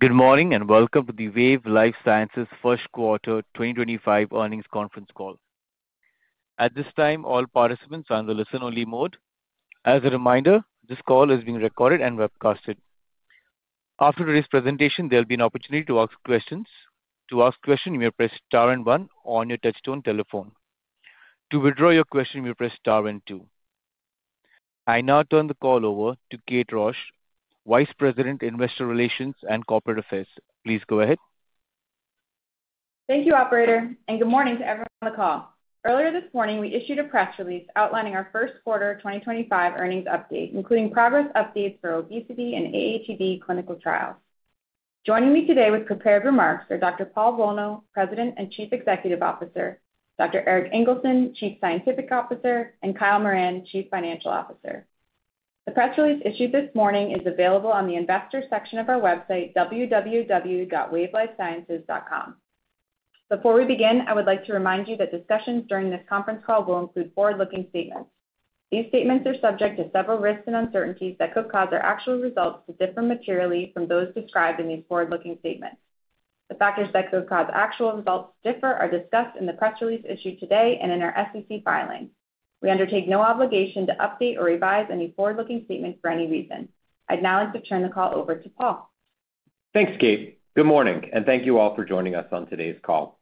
Good morning and welcome to the Wave Life Sciences First Quarter 2025 earnings conference call. At this time, all participants are in the listen-only mode. As a reminder, this call is being recorded and webcast. After today's presentation, there'll be an opportunity to ask questions. To ask a question, you may press star and one on your touch-tone telephone. To withdraw your question, you may press star and two. I now turn the call over to Kate Rausch, Vice President, Investor Relations and Corporate Affairs. Please go ahead. Thank you, Operator, and good morning to everyone on the call. Earlier this morning, we issued a press release outlining our First Quarter 2025 earnings update, including progress updates for obesity and AATD clinical trials. Joining me today with prepared remarks are Dr. Paul Bolno, President and Chief Executive Officer; Dr. Erik Ingelsson, Chief Scientific Officer; and Kyle Moran, Chief Financial Officer. The press release issued this morning is available on the investor section of our website, www.wavelifesciences.com. Before we begin, I would like to remind you that discussions during this conference call will include forward-looking statements. These statements are subject to several risks and uncertainties that could cause our actual results to differ materially from those described in these forward-looking statements. The factors that could cause actual results to differ are discussed in the press release issued today and in our SEC filing. We undertake no obligation to update or revise any forward-looking statement for any reason. I'd now like to turn the call over to Paul. Thanks, Kate. Good morning, and thank you all for joining us on today's call.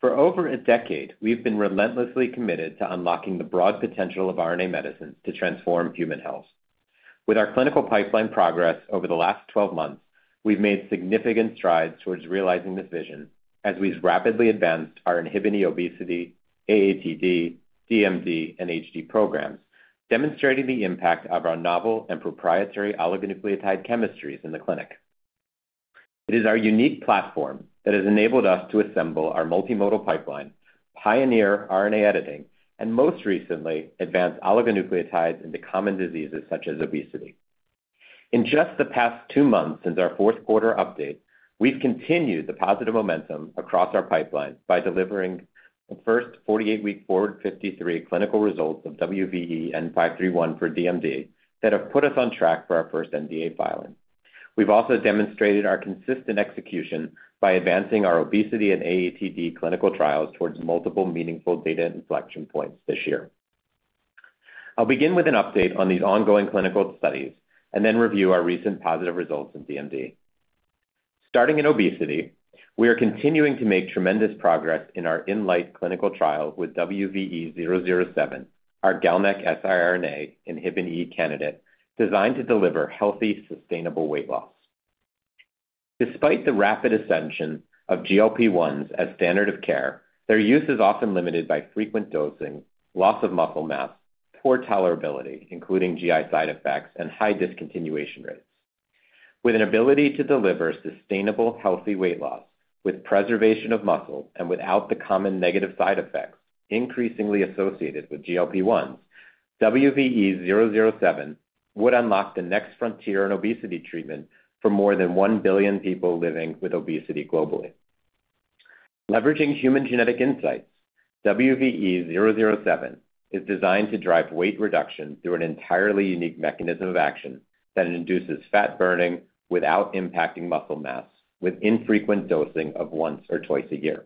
For over a decade, we've been relentlessly committed to unlocking the broad potential of RNA medicines to transform human health. With our clinical pipeline progress over the last 12 months, we've made significant strides towards realizing this vision as we've rapidly advanced our inhibiting obesity, AATD, DMD, and HD programs, demonstrating the impact of our novel and proprietary oligonucleotide chemistries in the clinic. It is our unique platform that has enabled us to assemble our multimodal pipeline, pioneer RNA editing, and most recently, advance oligonucleotides into common diseases such as obesity. In just the past two months since our Fourth Quarter update, we've continued the positive momentum across our pipeline by delivering the first 48-week Forward-53 clinical results of WVE-N531 for DMD that have put us on track for our first NDA filing. We've also demonstrated our consistent execution by advancing our obesity and AATD clinical trials towards multiple meaningful data inflection points this year. I'll begin with an update on these ongoing clinical studies and then review our recent positive results in DMD. Starting in obesity, we are continuing to make tremendous progress in our InLite clinical trial with WVE-007, our GalNAc-siRNA INHBE candidate designed to deliver healthy, sustainable weight loss. Despite the rapid ascension of GLP-1s as standard of care, their use is often limited by frequent dosing, loss of muscle mass, poor tolerability, including GI side effects, and high discontinuation rates. With an ability to deliver sustainable, healthy weight loss with preservation of muscle and without the common negative side effects increasingly associated with GLP-1s, WVE-007 would unlock the next frontier in obesity treatment for more than 1 billion people living with obesity globally. Leveraging human genetic insights, WVE-007 is designed to drive weight reduction through an entirely unique mechanism of action that induces fat burning without impacting muscle mass with infrequent dosing of once or twice a year.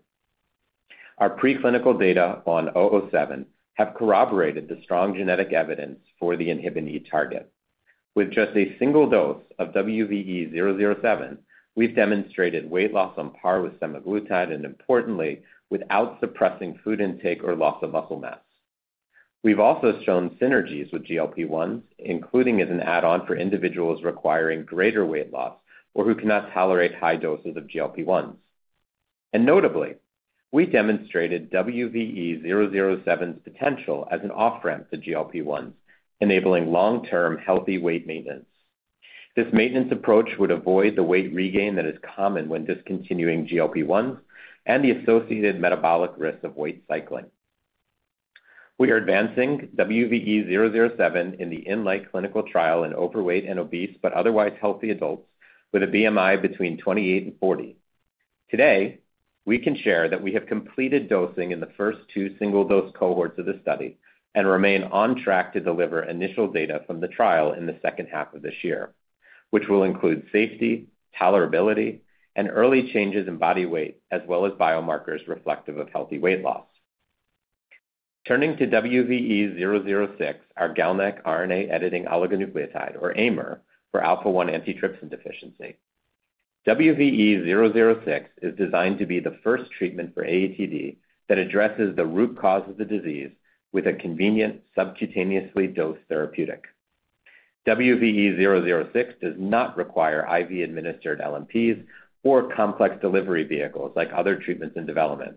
Our preclinical data on WVE-007 have corroborated the strong genetic evidence for the INHBE target. With just a single dose of WVE-007, we've demonstrated weight loss on par with semaglutide and, importantly, without suppressing food intake or loss of muscle mass. We've also shown synergies with GLP-1s, including as an add-on for individuals requiring greater weight loss or who cannot tolerate high doses of GLP-1s. Notably, we demonstrated WVE-007's potential as an off-ramp to GLP-1s, enabling long-term healthy weight maintenance. This maintenance approach would avoid the weight regain that is common when discontinuing GLP-1s and the associated metabolic risk of weight cycling. We are advancing WVE-007 in the InLite clinical trial in overweight and obese but otherwise healthy adults with a BMI between 28 and 40. Today, we can share that we have completed dosing in the first two single-dose cohorts of the study and remain on track to deliver initial data from the trial in the second half of this year, which will include safety, tolerability, and early changes in body weight, as well as biomarkers reflective of healthy weight loss. Turning to WVE-006, our GalNAc RNA editing oligonucleotide, or AIMer, for alpha-1 antitrypsin deficiency. WVE-006 is designed to be the first treatment for AATD that addresses the root cause of the disease with a convenient, subcutaneously dosed therapeutic. WVE-006 does not require IV-administered LNPs or complex delivery vehicles like other treatments in development.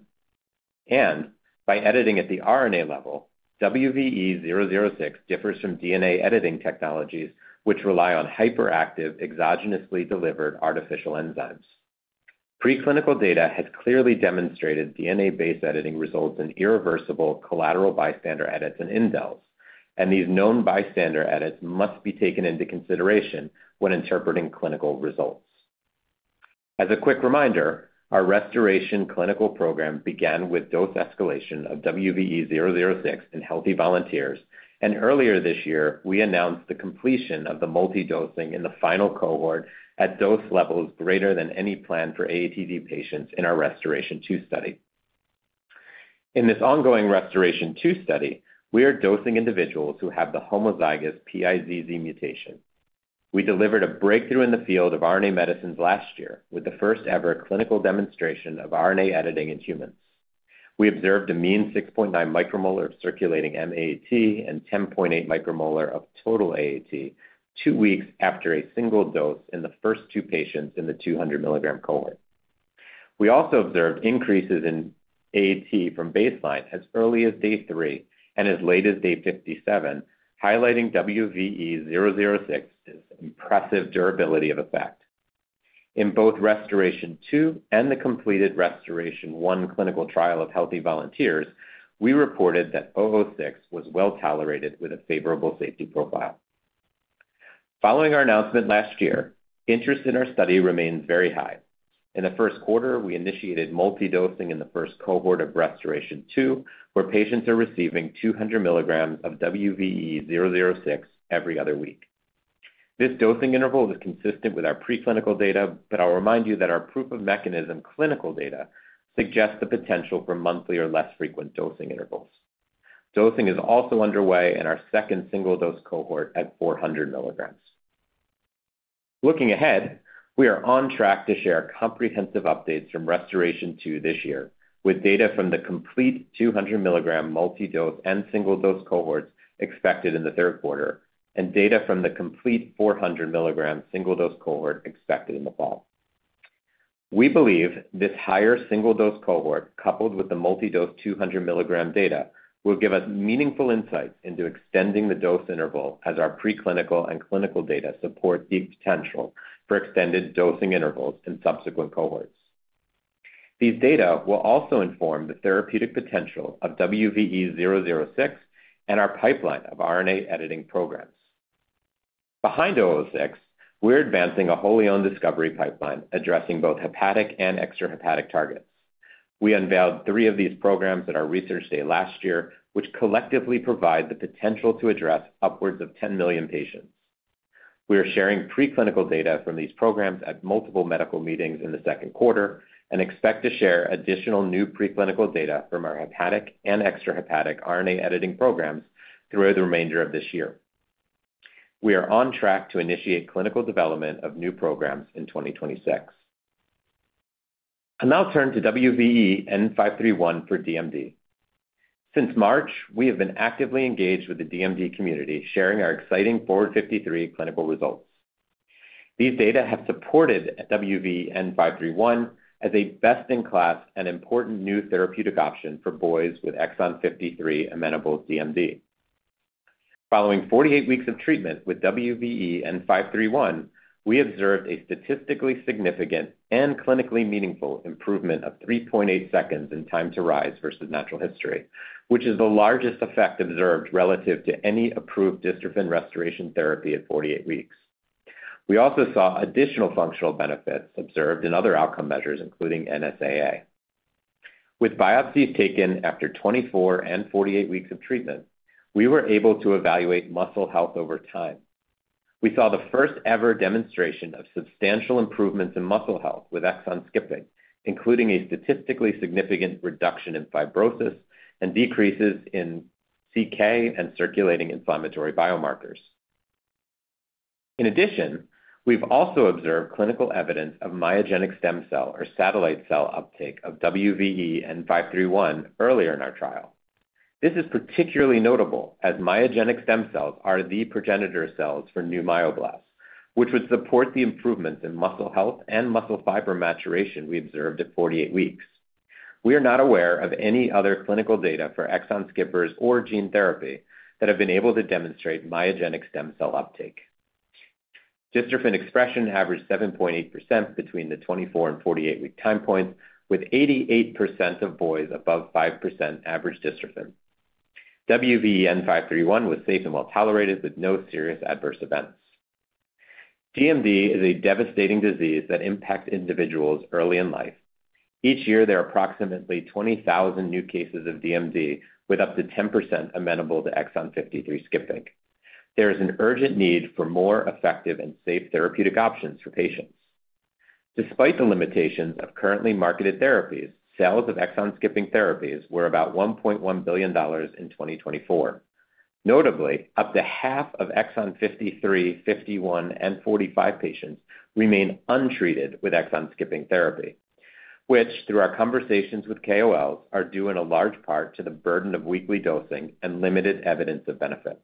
By editing at the RNA level, WVE-006 differs from DNA editing technologies, which rely on hyperactive, exogenously delivered artificial enzymes. Preclinical data has clearly demonstrated DNA-based editing results in irreversible collateral bystander edits and indels, and these known bystander edits must be taken into consideration when interpreting clinical results. As a quick reminder, our Restoration clinical program began with dose escalation of WVE-006 in healthy volunteers, and earlier this year, we announced the completion of the multi-dosing in the final cohort at dose levels greater than any planned for AATD patients in our Restoration 2 study. In this ongoing Restoration 2 study, we are dosing individuals who have the homozygous PiZZ mutation. We delivered a breakthrough in the field of RNA medicines last year with the first-ever clinical demonstration of RNA editing in humans. We observed a mean 6.9 micromolar of circulating MAAT and 10.8 micromolar of total AAT two weeks after a single dose in the first two patients in the 200 mg cohort. We also observed increases in AAT from baseline as early as day three and as late as day 57, highlighting WVE-006's impressive durability of effect. In both Restoration 2 and the completed Restoration 1 clinical trial of healthy volunteers, we reported that 006 was well tolerated with a favorable safety profile. Following our announcement last year, interest in our study remains very high. In the First Quarter, we initiated multi-dosing in the first cohort of Restoration 2, where patients are receiving 200 mg of WVE-006 every other week. This dosing interval is consistent with our preclinical data, but I'll remind you that our proof-of-mechanism clinical data suggests the potential for monthly or less frequent dosing intervals. Dosing is also underway in our second single-dose cohort at 400 milligrams. Looking ahead, we are on track to share comprehensive updates from Restoration 2 this year, with data from the complete 200 milligram multi-dose and single-dose cohorts expected in the Third Quarter and data from the complete 400 milligram single-dose cohort expected in the fall. We believe this higher single-dose cohort, coupled with the multi-dose 200 milligram data, will give us meaningful insights into extending the dose interval as our preclinical and clinical data support the potential for extended dosing intervals in subsequent cohorts. These data will also inform the therapeutic potential of WVE-006 and our pipeline of RNA editing programs. Behind WVE-006, we're advancing a wholly owned discovery pipeline addressing both hepatic and extrahepatic targets. We unveiled three of these programs at our research day last year, which collectively provide the potential to address upwards of 10 million patients. We are sharing preclinical data from these programs at multiple medical meetings in the Second Quarter and expect to share additional new preclinical data from our hepatic and extrahepatic RNA editing programs throughout the remainder of this year. We are on track to initiate clinical development of new programs in 2026. I'll turn to WVE-N531 for DMD. Since March, we have been actively engaged with the DMD community, sharing our exciting FORWARD-53 clinical results. These data have supported WVE-N531 as a best-in-class and important new therapeutic option for boys with exon 53 amenable DMD. Following 48 weeks of treatment with WVE-N531, we observed a statistically significant and clinically meaningful improvement of 3.8 seconds in time to rise versus natural history, which is the largest effect observed relative to any approved dystrophin restoration therapy at 48 weeks. We also saw additional functional benefits observed in other outcome measures, including NSAA. With biopsies taken after 24 and 48 weeks of treatment, we were able to evaluate muscle health over time. We saw the first-ever demonstration of substantial improvements in muscle health with exon skipping, including a statistically significant reduction in fibrosis and decreases in CK and circulating inflammatory biomarkers. In addition, we've also observed clinical evidence of myogenic stem cell or satellite cell uptake of WVE-N531 earlier in our trial. This is particularly notable as myogenic stem cells are the progenitor cells for new myoblasts, which would support the improvements in muscle health and muscle fiber maturation we observed at 48 weeks. We are not aware of any other clinical data for exon skippers or gene therapy that have been able to demonstrate myogenic stem cell uptake. Dystrophin expression averaged 7.8% between the 24 and 48-week time points, with 88% of boys above 5% average dystrophin. WVE-N531 was safe and well tolerated with no serious adverse events. DMD is a devastating disease that impacts individuals early in life. Each year, there are approximately 20,000 new cases of DMD, with up to 10% amenable to exon 53 skipping. There is an urgent need for more effective and safe therapeutic options for patients. Despite the limitations of currently marketed therapies, sales of exon skipping therapies were about $1.1 billion in 2024. Notably, up to half of exon 53, exon 51, and exon 45 patients remain untreated with exon skipping therapy, which, through our conversations with KOLs, are due in large part to the burden of weekly dosing and limited evidence of benefit.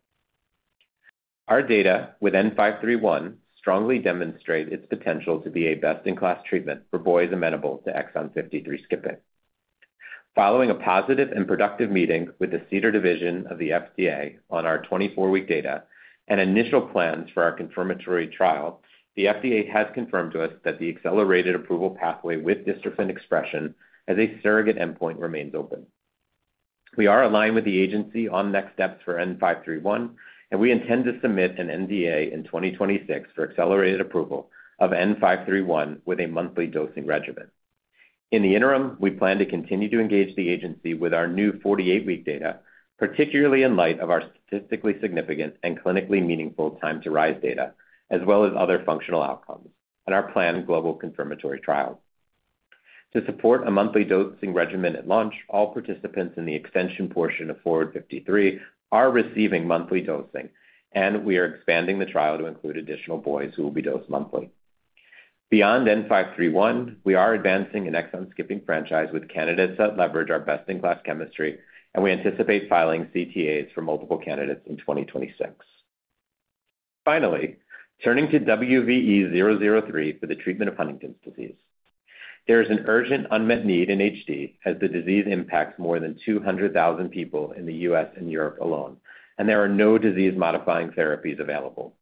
Our data with N531 strongly demonstrate its potential to be a best-in-class treatment for boys amenable to exon 53 skipping. Following a positive and productive meeting with the CDER division of the FDA on our 24-week data and initial plans for our confirmatory trial, the FDA has confirmed to us that the accelerated approval pathway with dystrophin expression as a surrogate endpoint remains open. We are aligned with the agency on next steps for N531, and we intend to submit an NDA in 2026 for accelerated approval of N531 with a monthly dosing regimen. In the interim, we plan to continue to engage the agency with our new 48-week data, particularly in light of our statistically significant and clinically meaningful time to rise data, as well as other functional outcomes and our planned global confirmatory trial. To support a monthly dosing regimen at launch, all participants in the extension portion of Forward 53 are receiving monthly dosing, and we are expanding the trial to include additional boys who will be dosed monthly. Beyond N531, we are advancing an exon skipping franchise with candidates that leverage our best-in-class chemistry, and we anticipate filing CTAs for multiple candidates in 2026. Finally, turning to WVE-003 for the treatment of Huntington's disease. There is an urgent unmet need in HD as the disease impacts more than 200,000 people in the U.S. and Europe alone, and there are no disease-modifying therapies available.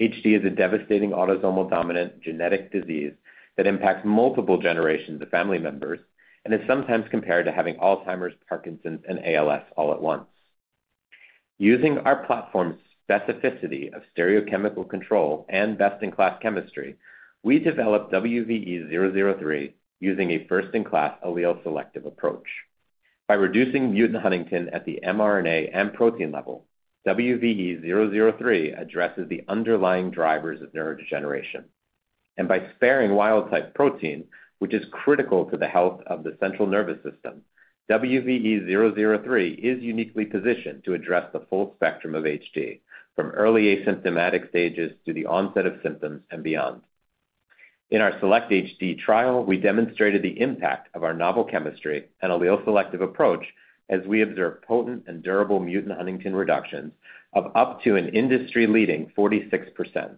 HD is a devastating autosomal dominant genetic disease that impacts multiple generations of family members and is sometimes compared to having Alzheimer's, Parkinson's, and ALS all at once. Using our platform's specificity of stereochemical control and best-in-class chemistry, we developed WVE-003 using a first-in-class allele selective approach. By reducing mutant Huntington at the mRNA and protein level, WVE-003 addresses the underlying drivers of neurodegeneration. By sparing wild-type protein, which is critical to the health of the central nervous system, WVE-003 is uniquely positioned to address the full spectrum of HD, from early asymptomatic stages to the onset of symptoms and beyond. In our Select HD trial, we demonstrated the impact of our novel chemistry and allele-selective approach as we observed potent and durable mutant Huntington reductions of up to an industry-leading 46%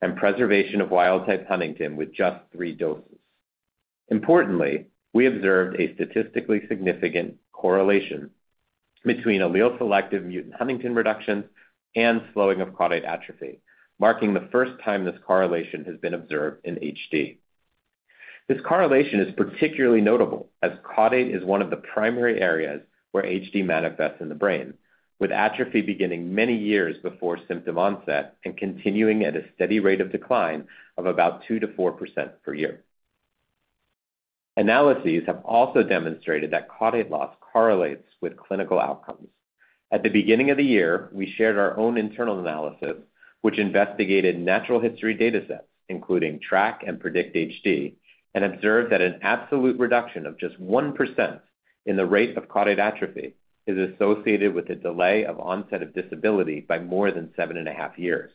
and preservation of wild-type Huntington with just three doses. Importantly, we observed a statistically significant correlation between allele-selective mutant Huntington reductions and slowing of caudate atrophy, marking the first time this correlation has been observed in HD. This correlation is particularly notable as caudate is one of the primary areas where HD manifests in the brain, with atrophy beginning many years before symptom onset and continuing at a steady rate of decline of about 2%-4% per year. Analyses have also demonstrated that caudate loss correlates with clinical outcomes. At the beginning of the year, we shared our own internal analysis, which investigated natural history data sets, including Track and Predict HD, and observed that an absolute reduction of just 1% in the rate of caudate atrophy is associated with a delay of onset of disability by more than seven and a half years.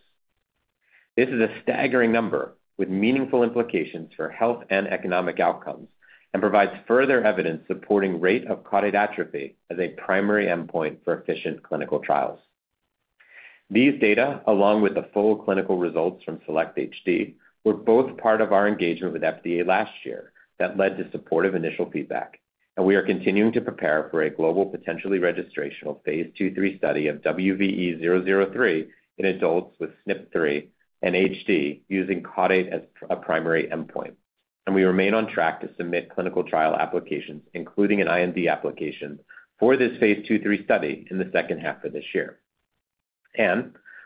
This is a staggering number with meaningful implications for health and economic outcomes and provides further evidence supporting the rate of caudate atrophy as a primary endpoint for efficient clinical trials. These data, along with the full clinical results from Select HD, were both part of our engagement with FDA last year that led to supportive initial feedback. We are continuing to prepare for a global potentially registrational phase 2-3 study of WVE-003 in adults with SNP3 and HD using caudate as a primary endpoint. We remain on track to submit clinical trial applications, including an IND application for this phase 2-3 study in the second half of this year.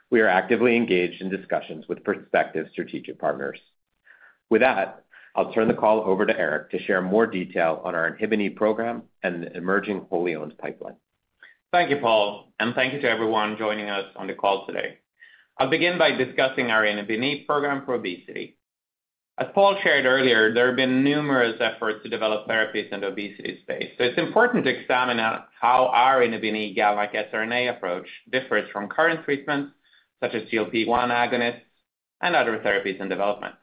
We are actively engaged in discussions with prospective strategic partners. With that, I'll turn the call over to Erik to share more detail on our INHBE program and the emerging wholly owned pipeline. Thank you, Paul, and thank you to everyone joining us on the call today. I'll begin by discussing our INHBE program for obesity. As Paul shared earlier, there have been numerous efforts to develop therapies in the obesity space, so it's important to examine how our INHBE GalNAc siRNA approach differs from current treatments such as GLP-1 agonists and other therapies in development.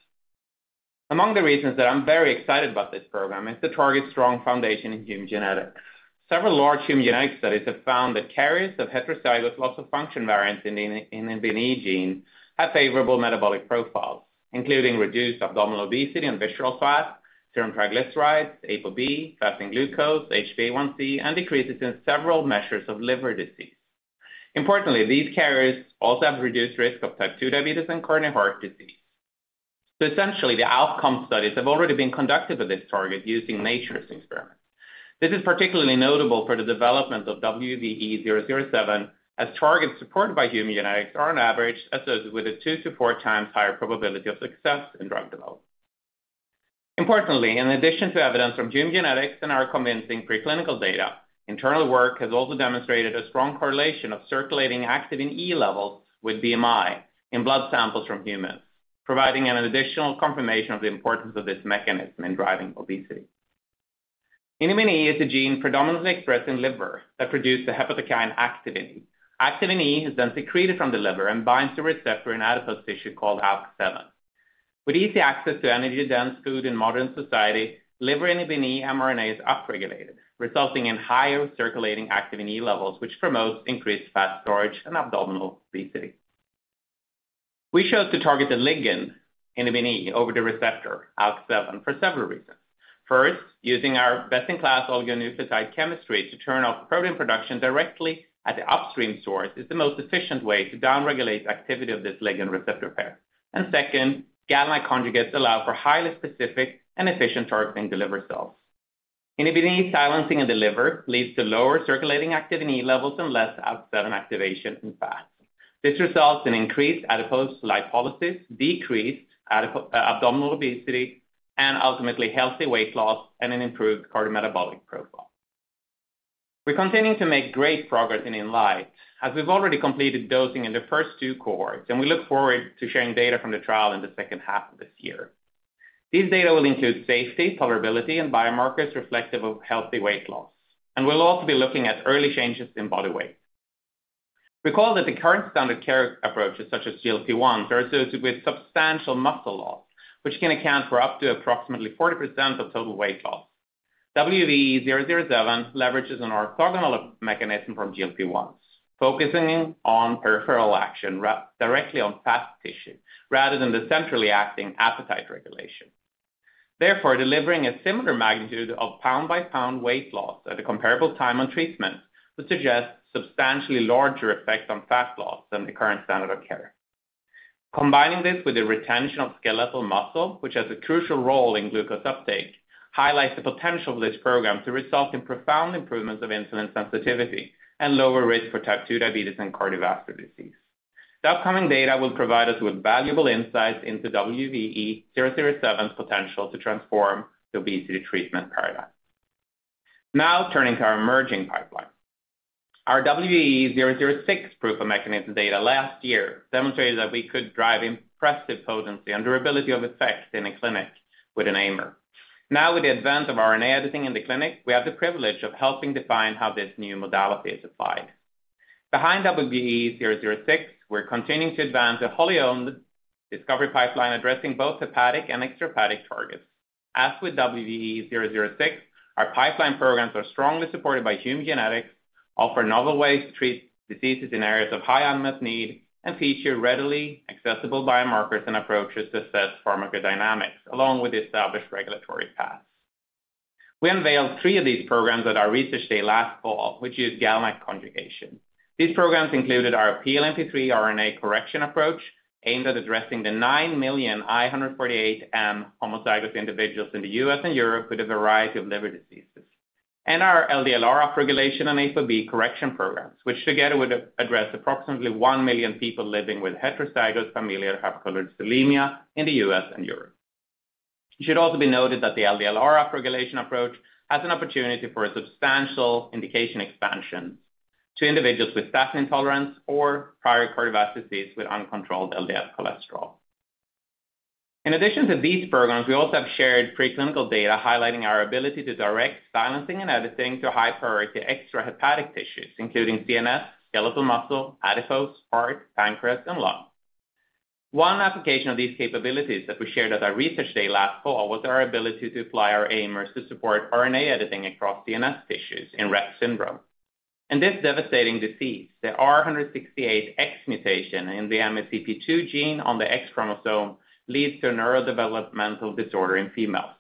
Among the reasons that I'm very excited about this program is its strong foundation in human genetics. Several large human genetic studies have found that carriers of heterozygous loss of function variants in the INHBE gene have favorable metabolic profiles, including reduced abdominal obesity and visceral fat, serum triglycerides, ApoB, fasting glucose, HbA1c, and decreases in several measures of liver disease. Importantly, these carriers also have reduced risk of type 2 diabetes and coronary heart disease. Essentially, the outcome studies have already been conducted with this target using natural experiments. This is particularly notable for the development of WVE-007, as targets supported by human genetics are on average associated with a two- to four-times higher probability of success in drug development. Importantly, in addition to evidence from human genetics and our convincing preclinical data, internal work has also demonstrated a strong correlation of circulating activin E levels with BMI in blood samples from humans, providing an additional confirmation of the importance of this mechanism in driving obesity. INHBE is a gene predominantly expressed in liver that produces the hepatocyte activin. Activin E is then secreted from the liver and binds to a receptor in adipose tissue called ALK7. With easy access to energy-dense food in modern society, liver INHBE mRNA is upregulated, resulting in higher circulating activin E levels, which promotes increased fat storage and abdominal obesity. We chose to target the ligand INHBE over the receptor ALK7 for several reasons. First, using our best-in-class oligonucleotide chemistry to turn off protein production directly at the upstream source is the most efficient way to downregulate activity of this ligand-receptor pair. Second, GalNAc conjugates allow for highly specific and efficient targeting to liver cells. INHBE silencing in the liver leads to lower circulating activin E levels and less ALK7 activation in fat. This results in increased adipose lipolysis, decreased abdominal obesity, and ultimately healthy weight loss and an improved cardiometabolic profile. We're continuing to make great progress in INLITE as we've already completed dosing in the first two cohorts, and we look forward to sharing data from the trial in the second half of this year. These data will include safety, tolerability, and biomarkers reflective of healthy weight loss, and we'll also be looking at early changes in body weight. Recall that the current standard care approaches, such as GLP-1s, are associated with substantial muscle loss, which can account for up to approximately 40% of total weight loss. WVE-007 leverages an orthogonal mechanism from GLP-1s, focusing on peripheral action directly on fat tissue rather than the centrally acting appetite regulation. Therefore, delivering a similar magnitude of pound-by-pound weight loss at a comparable time on treatment would suggest substantially larger effects on fat loss than the current standard of care. Combining this with the retention of skeletal muscle, which has a crucial role in glucose uptake, highlights the potential of this program to result in profound improvements of insulin sensitivity and lower risk for type 2 diabetes and cardiovascular disease. The upcoming data will provide us with valuable insights into WVE-007's potential to transform the obesity treatment paradigm. Now, turning to our emerging pipeline. Our WVE-006 proof of mechanism data last year demonstrated that we could drive impressive potency and durability of effect in a clinic with an AIMer. Now, with the advance of RNA editing in the clinic, we have the privilege of helping define how this new modality is applied. Behind WVE-006, we're continuing to advance a wholly owned discovery pipeline addressing both hepatic and extrahepatic targets. As with WVE-006, our pipeline programs are strongly supported by human genetics, offer novel ways to treat diseases in areas of high unmet need, and feature readily accessible biomarkers and approaches to assess pharmacodynamics along with established regulatory paths. We unveiled three of these programs at our research day last fall, which used GalNAc conjugation. These programs included our PNPLA3 RNA correction approach aimed at addressing the 9 million I148M homozygous individuals in the U.S. and Europe with a variety of liver diseases, and our LDLR upregulation and ApoB correction programs, which together would address approximately 1 million people living with heterozygous familial hypochondrial leukemia in the U.S. and Europe. It should also be noted that the LDLR upregulation approach has an opportunity for a substantial indication expansion to individuals with statin intolerance or prior cardiovascular disease with uncontrolled LDL cholesterol. In addition to these programs, we also have shared preclinical data highlighting our ability to direct silencing and editing to high-priority extrahepatic tissues, including CNS, skeletal muscle, adipose, heart, pancreas, and lung. One application of these capabilities that we shared at our research day last fall was our ability to apply our AIMers to support RNA editing across CNS tissues in Rett syndrome. In this devastating disease, the R168X mutation in the MECP2 gene on the X chromosome leads to a neurodevelopmental disorder in females.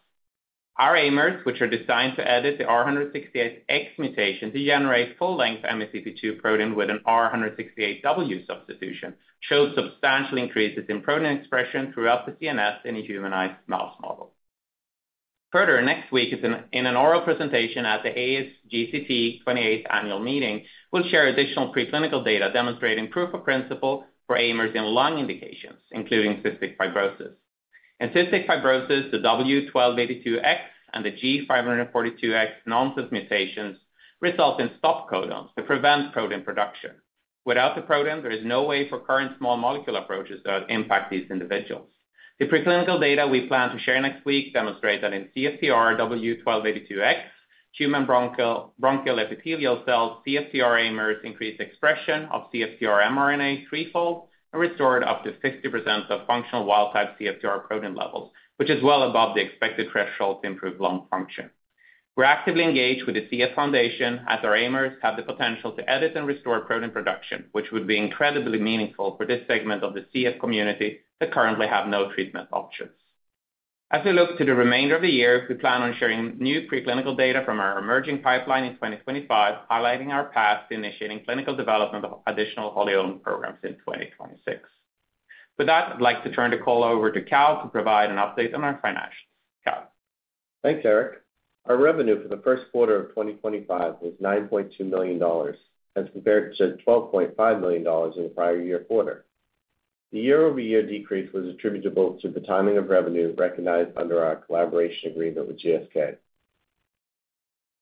Our AIMers, which are designed to edit the R168X mutation to generate full-length MECP2 protein with an R168W substitution, showed substantial increases in protein expression throughout the CNS in a humanized mouse model. Further, next week, in an oral presentation at the ASGCT 28th annual meeting, we'll share additional preclinical data demonstrating proof of principle for AIMers in lung indications, including cystic fibrosis. In cystic fibrosis, the W1282X and the G542X nonsense mutations result in stop codons that prevent protein production. Without the protein, there is no way for current small molecule approaches to impact these individuals. The preclinical data we plan to share next week demonstrate that in CFTR W1282X, human bronchial epithelial cells, CFTR AIMers increased expression of CFTR mRNA threefold and restored up to 50% of functional wild-type CFTR protein levels, which is well above the expected threshold to improve lung function. We're actively engaged with the CF Foundation as our AIMers have the potential to edit and restore protein production, which would be incredibly meaningful for this segment of the CF community that currently have no treatment options. As we look to the remainder of the year, we plan on sharing new preclinical data from our emerging pipeline in 2025, highlighting our path to initiating clinical development of additional wholly owned programs in 2026. With that, I'd like to turn the call over to Kyle to provide an update on our financials. Kyle. Thanks, Erik. Our revenue for the First Quarter of 2025 was $9.2 million as compared to $12.5 million in the prior year quarter. The year-over-year decrease was attributable to the timing of revenue recognized under our collaboration agreement with GlaxoSmithKline.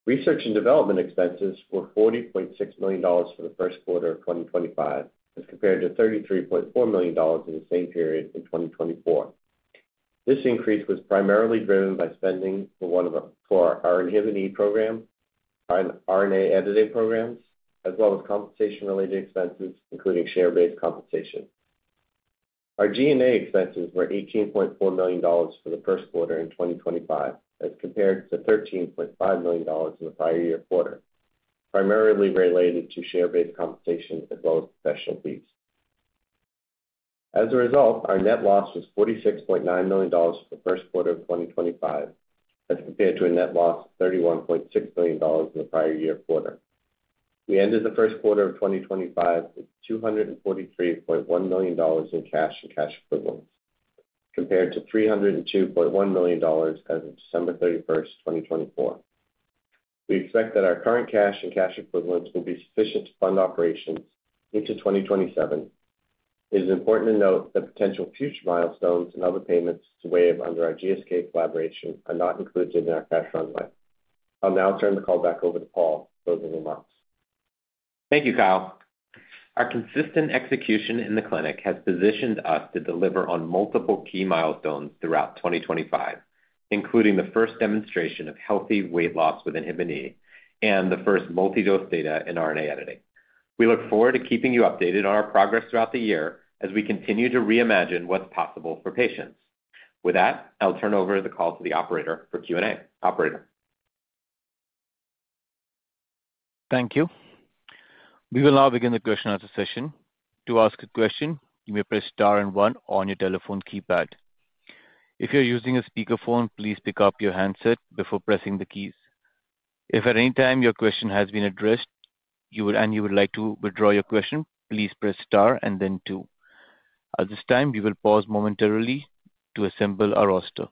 Research and development expenses were $40.6 million for the First Quarter of 2025 as compared to $33.4 million in the same period in 2024. This increase was primarily driven by spending for our INHBE program, our RNA editing programs, as well as compensation-related expenses, including share-based compensation. Our G&A expenses were $18.4 million for the First Quarter in 2025 as compared to $13.5 million in the prior year quarter, primarily related to share-based compensation as well as professional fees. As a result, our net loss was $46.9 million for the First Quarter of 2025 as compared to a net loss of $31.6 million in the prior year quarter. We ended the First Quarter of 2025 with $243.1 million in cash and cash equivalents compared to $302.1 million as of December 31, 2024. We expect that our current cash and cash equivalents will be sufficient to fund operations into 2027. It is important to note that potential future milestones and other payments to Wave under our GSK collaboration are not included in our cash runway. I'll now turn the call back over to Paul for those remarks. Thank you, Kyle. Our consistent execution in the clinic has positioned us to deliver on multiple key milestones throughout 2025, including the first demonstration of healthy weight loss with INHBE and the first multi-dose data in RNA editing. We look forward to keeping you updated on our progress throughout the year as we continue to reimagine what's possible for patients. With that, I'll turn over the call to the operator for Q&A. Thank you. We will now begin the question-answer session. To ask a question, you may press star and one on your telephone keypad. If you're using a speakerphone, please pick up your handset before pressing the keys. If at any time your question has been addressed and you would like to withdraw your question, please press star and then two. At this time, we will pause momentarily to assemble our roster.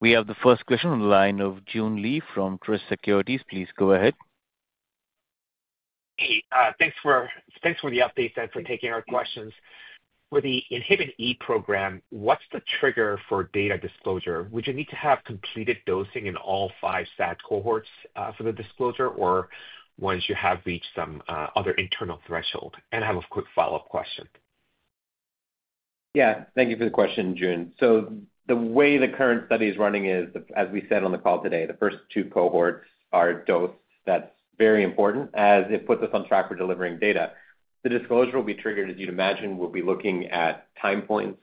We have the first question on the line of June Lee from Truist Securities. Please go ahead. Hey, thanks for the updates and for taking our questions. For the INHBE program, what's the trigger for data disclosure? Would you need to have completed dosing in all five SAD cohorts for the disclosure or once you have reached some other internal threshold? I have a quick follow-up question. Yeah, thank you for the question, June. The way the current study is running is, as we said on the call today, the first two cohorts are dosed. That's very important as it puts us on track for delivering data. The disclosure will be triggered, as you'd imagine, we'll be looking at time points: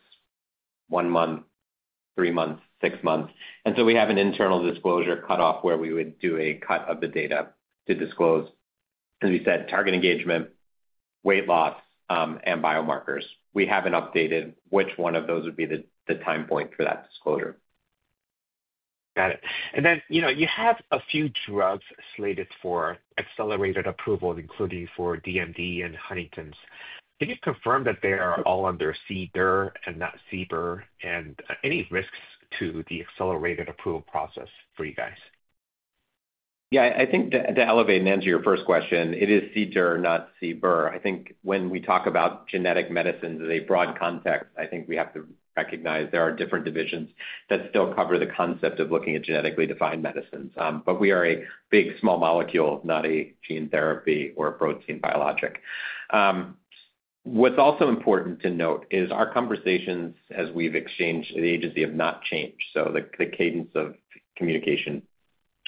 one month, three months, six months. We have an internal disclosure cutoff where we would do a cut of the data to disclose, as we said, target engagement, weight loss, and biomarkers. We haven't updated which one of those would be the time point for that disclosure. Got it. You have a few drugs slated for accelerated approval, including for DMD and Huntington's. Can you confirm that they are all under CDER and not CBER? Any risks to the accelerated approval process for you guys? Yeah, I think to elevate and answer your first question, it is CDER, not CBER. I think when we talk about genetic medicines as a broad context, I think we have to recognize there are different divisions that still cover the concept of looking at genetically defined medicines. We are a big small molecule, not a gene therapy or a protein biologic. What's also important to note is our conversations, as we've exchanged, at the agency have not changed. The cadence of communication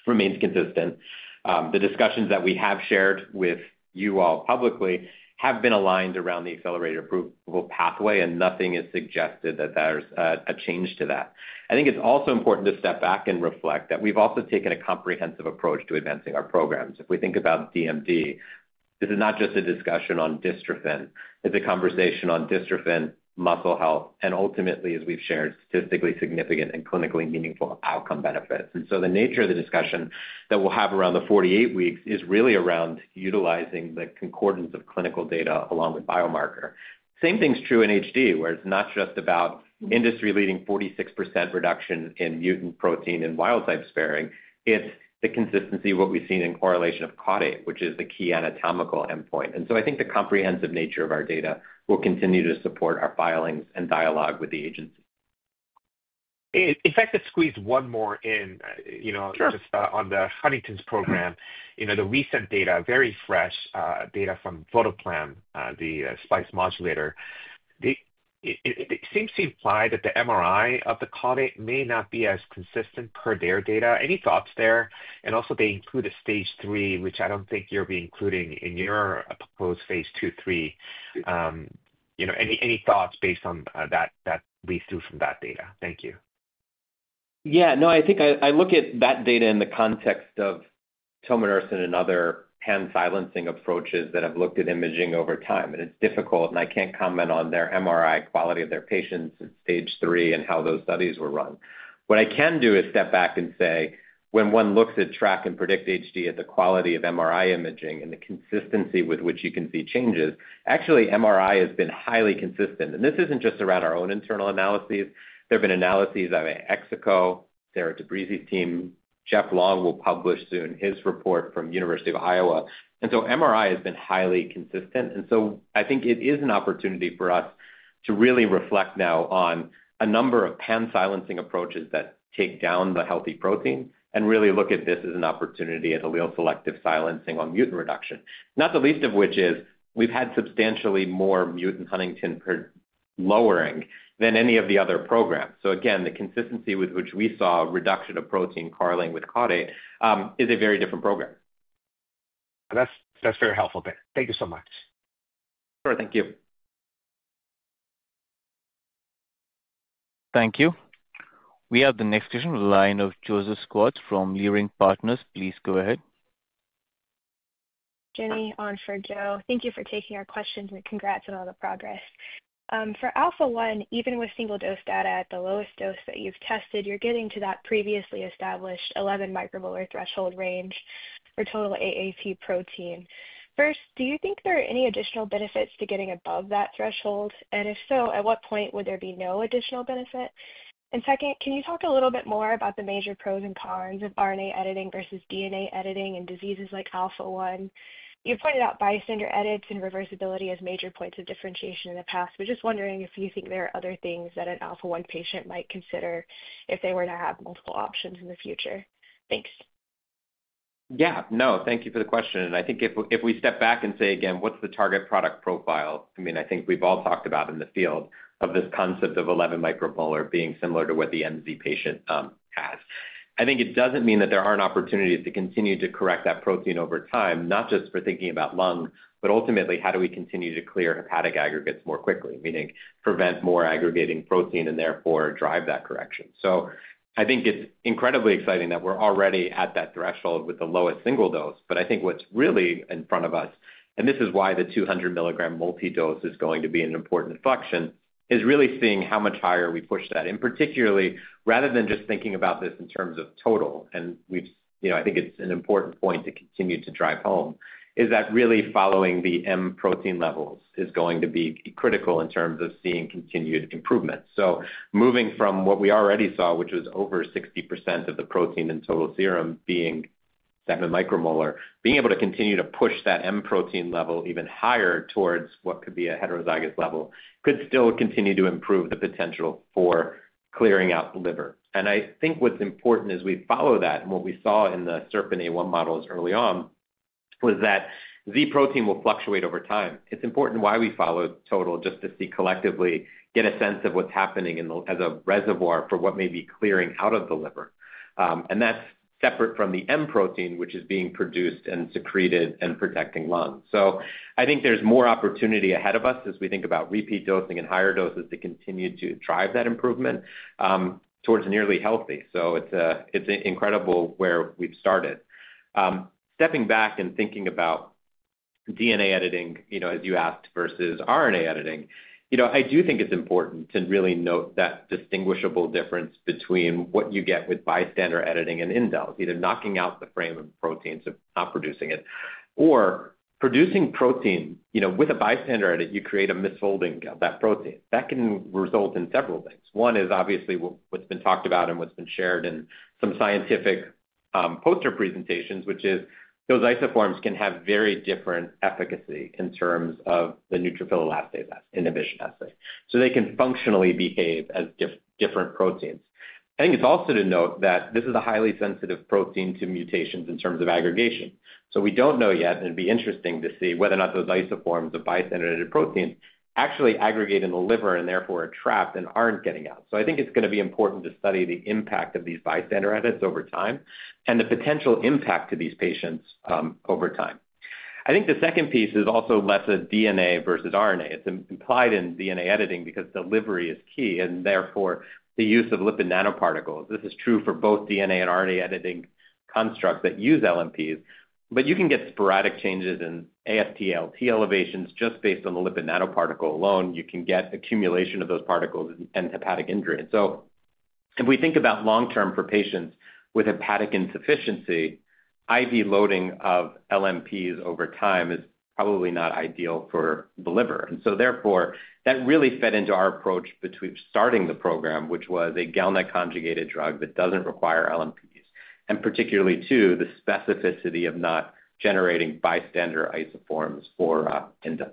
remains consistent. The discussions that we have shared with you all publicly have been aligned around the accelerated approval pathway, and nothing has suggested that there's a change to that. I think it's also important to step back and reflect that we've also taken a comprehensive approach to advancing our programs. If we think about DMD, this is not just a discussion on dystrophin. It's a conversation on dystrophin, muscle health, and ultimately, as we've shared, statistically significant and clinically meaningful outcome benefits. The nature of the discussion that we'll have around the 48 weeks is really around utilizing the concordance of clinical data along with biomarker. Same thing's true in HD, where it's not just about industry-leading 46% reduction in mutant protein in wild-type sparing. It's the consistency of what we've seen in correlation of caudate, which is the key anatomical endpoint. I think the comprehensive nature of our data will continue to support our filings and dialogue with the agency. If I can just squeeze one more in just on the Huntington's program. The recent data, very fresh data from Photoplan, the splice modulator, it seems to imply that the MRI of the caudate may not be as consistent per their data. Any thoughts there? They also include a stage three, which I do not think you will be including in your proposed phase two, three. Any thoughts based on that that we drew from that data? Thank you. Yeah, no, I think I look at that data in the context of tominersen and other huntingtin silencing approaches that have looked at imaging over time. It is difficult, and I cannot comment on their MRI quality of their patients at stage three and how those studies were run. What I can do is step back and say, when one looks at TRACK and PREDICT-HD at the quality of MRI imaging and the consistency with which you can see changes, actually, MRI has been highly consistent. This is not just around our own internal analyses. There have been analyses by IXICO, Sarah Tabrizi's team. Jeff Long will publish soon his report from University of Iowa. MRI has been highly consistent. I think it is an opportunity for us to really reflect now on a number of hand silencing approaches that take down the healthy protein and really look at this as an opportunity at allele selective silencing on mutant reduction. Not the least of which is we've had substantially more mutant Huntington lowering than any of the other programs. Again, the consistency with which we saw reduction of protein correlating with caudate is a very different program. That's very helpful. Thank you so much. Sure, thank you. Thank you. We have the next question from the line of Joseph Squats from Leerink Partners. Please go ahead. Jenny on for Joe. Thank you for taking our questions and congrats on all the progress. For Alpha 1, even with single-dose data at the lowest dose that you've tested, you're getting to that previously established 11 micromolar threshold range for total AAT protein. First, do you think there are any additional benefits to getting above that threshold? If so, at what point would there be no additional benefit? Second, can you talk a little bit more about the major pros and cons of RNA editing versus DNA editing in diseases like Alpha 1? You pointed out bystander edits and reversibility as major points of differentiation in the past. We're just wondering if you think there are other things that an Alpha 1 patient might consider if they were to have multiple options in the future. Thanks. Yeah, no, thank you for the question. I think if we step back and say again, what's the target product profile? I mean, I think we've all talked about in the field of this concept of 11 micromolar being similar to what the MZ patient has. I think it doesn't mean that there aren't opportunities to continue to correct that protein over time, not just for thinking about lung, but ultimately, how do we continue to clear hepatic aggregates more quickly, meaning prevent more aggregating protein and therefore drive that correction? I think it's incredibly exciting that we're already at that threshold with the lowest single dose. I think what's really in front of us, and this is why the 200 mg multi-dose is going to be an important inflection, is really seeing how much higher we push that. Particularly, rather than just thinking about this in terms of total, and I think it's an important point to continue to drive home, is that really following the M protein levels is going to be critical in terms of seeing continued improvement. Moving from what we already saw, which was over 60% of the protein in total serum being 7 micromolar, being able to continue to push that M protein level even higher towards what could be a heterozygous level could still continue to improve the potential for clearing out the liver. I think what's important as we follow that and what we saw in the SERP and A1 models early on was that Z protein will fluctuate over time. It's important why we follow total just to see collectively get a sense of what's happening as a reservoir for what may be clearing out of the liver. That's separate from the M protein, which is being produced and secreted and protecting lungs. I think there's more opportunity ahead of us as we think about repeat dosing and higher doses to continue to drive that improvement towards nearly healthy. It's incredible where we've started. Stepping back and thinking about DNA editing, as you asked, versus RNA editing, I do think it's important to really note that distinguishable difference between what you get with bystander editing and indels, either knocking out the frame of proteins or not producing it, or producing protein with a bystander edit, you create a misfolding of that protein. That can result in several things. One is obviously what's been talked about and what's been shared in some scientific poster presentations, which is those isoforms can have very different efficacy in terms of the neutrophil elastase inhibition assay. They can functionally behave as different proteins. I think it's also to note that this is a highly sensitive protein to mutations in terms of aggregation. We don't know yet, and it'd be interesting to see whether or not those isoforms of bystander-edited proteins actually aggregate in the liver and therefore are trapped and aren't getting out. I think it's going to be important to study the impact of these bystander edits over time and the potential impact to these patients over time. The second piece is also less of DNA versus RNA. It's implied in DNA editing because delivery is key and therefore the use of lipid nanoparticles. This is true for both DNA and RNA editing constructs that use LNPs. You can get sporadic changes in AST/ALT elevations just based on the lipid nanoparticle alone. You can get accumulation of those particles and hepatic injury. If we think about long-term for patients with hepatic insufficiency, IV loading of LNPs over time is probably not ideal for the liver. Therefore, that really fit into our approach between starting the program, which was a GalNAc-conjugated drug that does not require LNPs, and particularly to the specificity of not generating bystander isoforms or indels.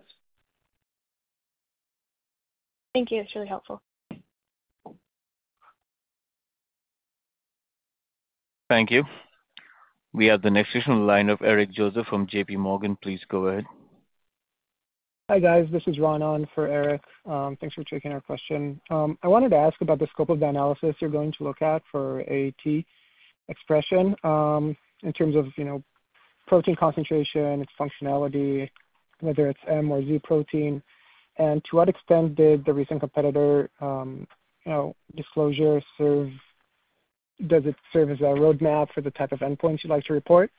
Thank you. It's really helpful. Thank you. We have the next question in the line of Eric Joseph from JP Morgan. Please go ahead. Hi, guys. This is Ron on for Eric. Thanks for taking our question. I wanted to ask about the scope of the analysis you're going to look at for AAT expression in terms of protein concentration, its functionality, whether it's M or Z protein, and to what extent did the recent competitor disclosure serve? Does it serve as a roadmap for the type of endpoints you'd like to report?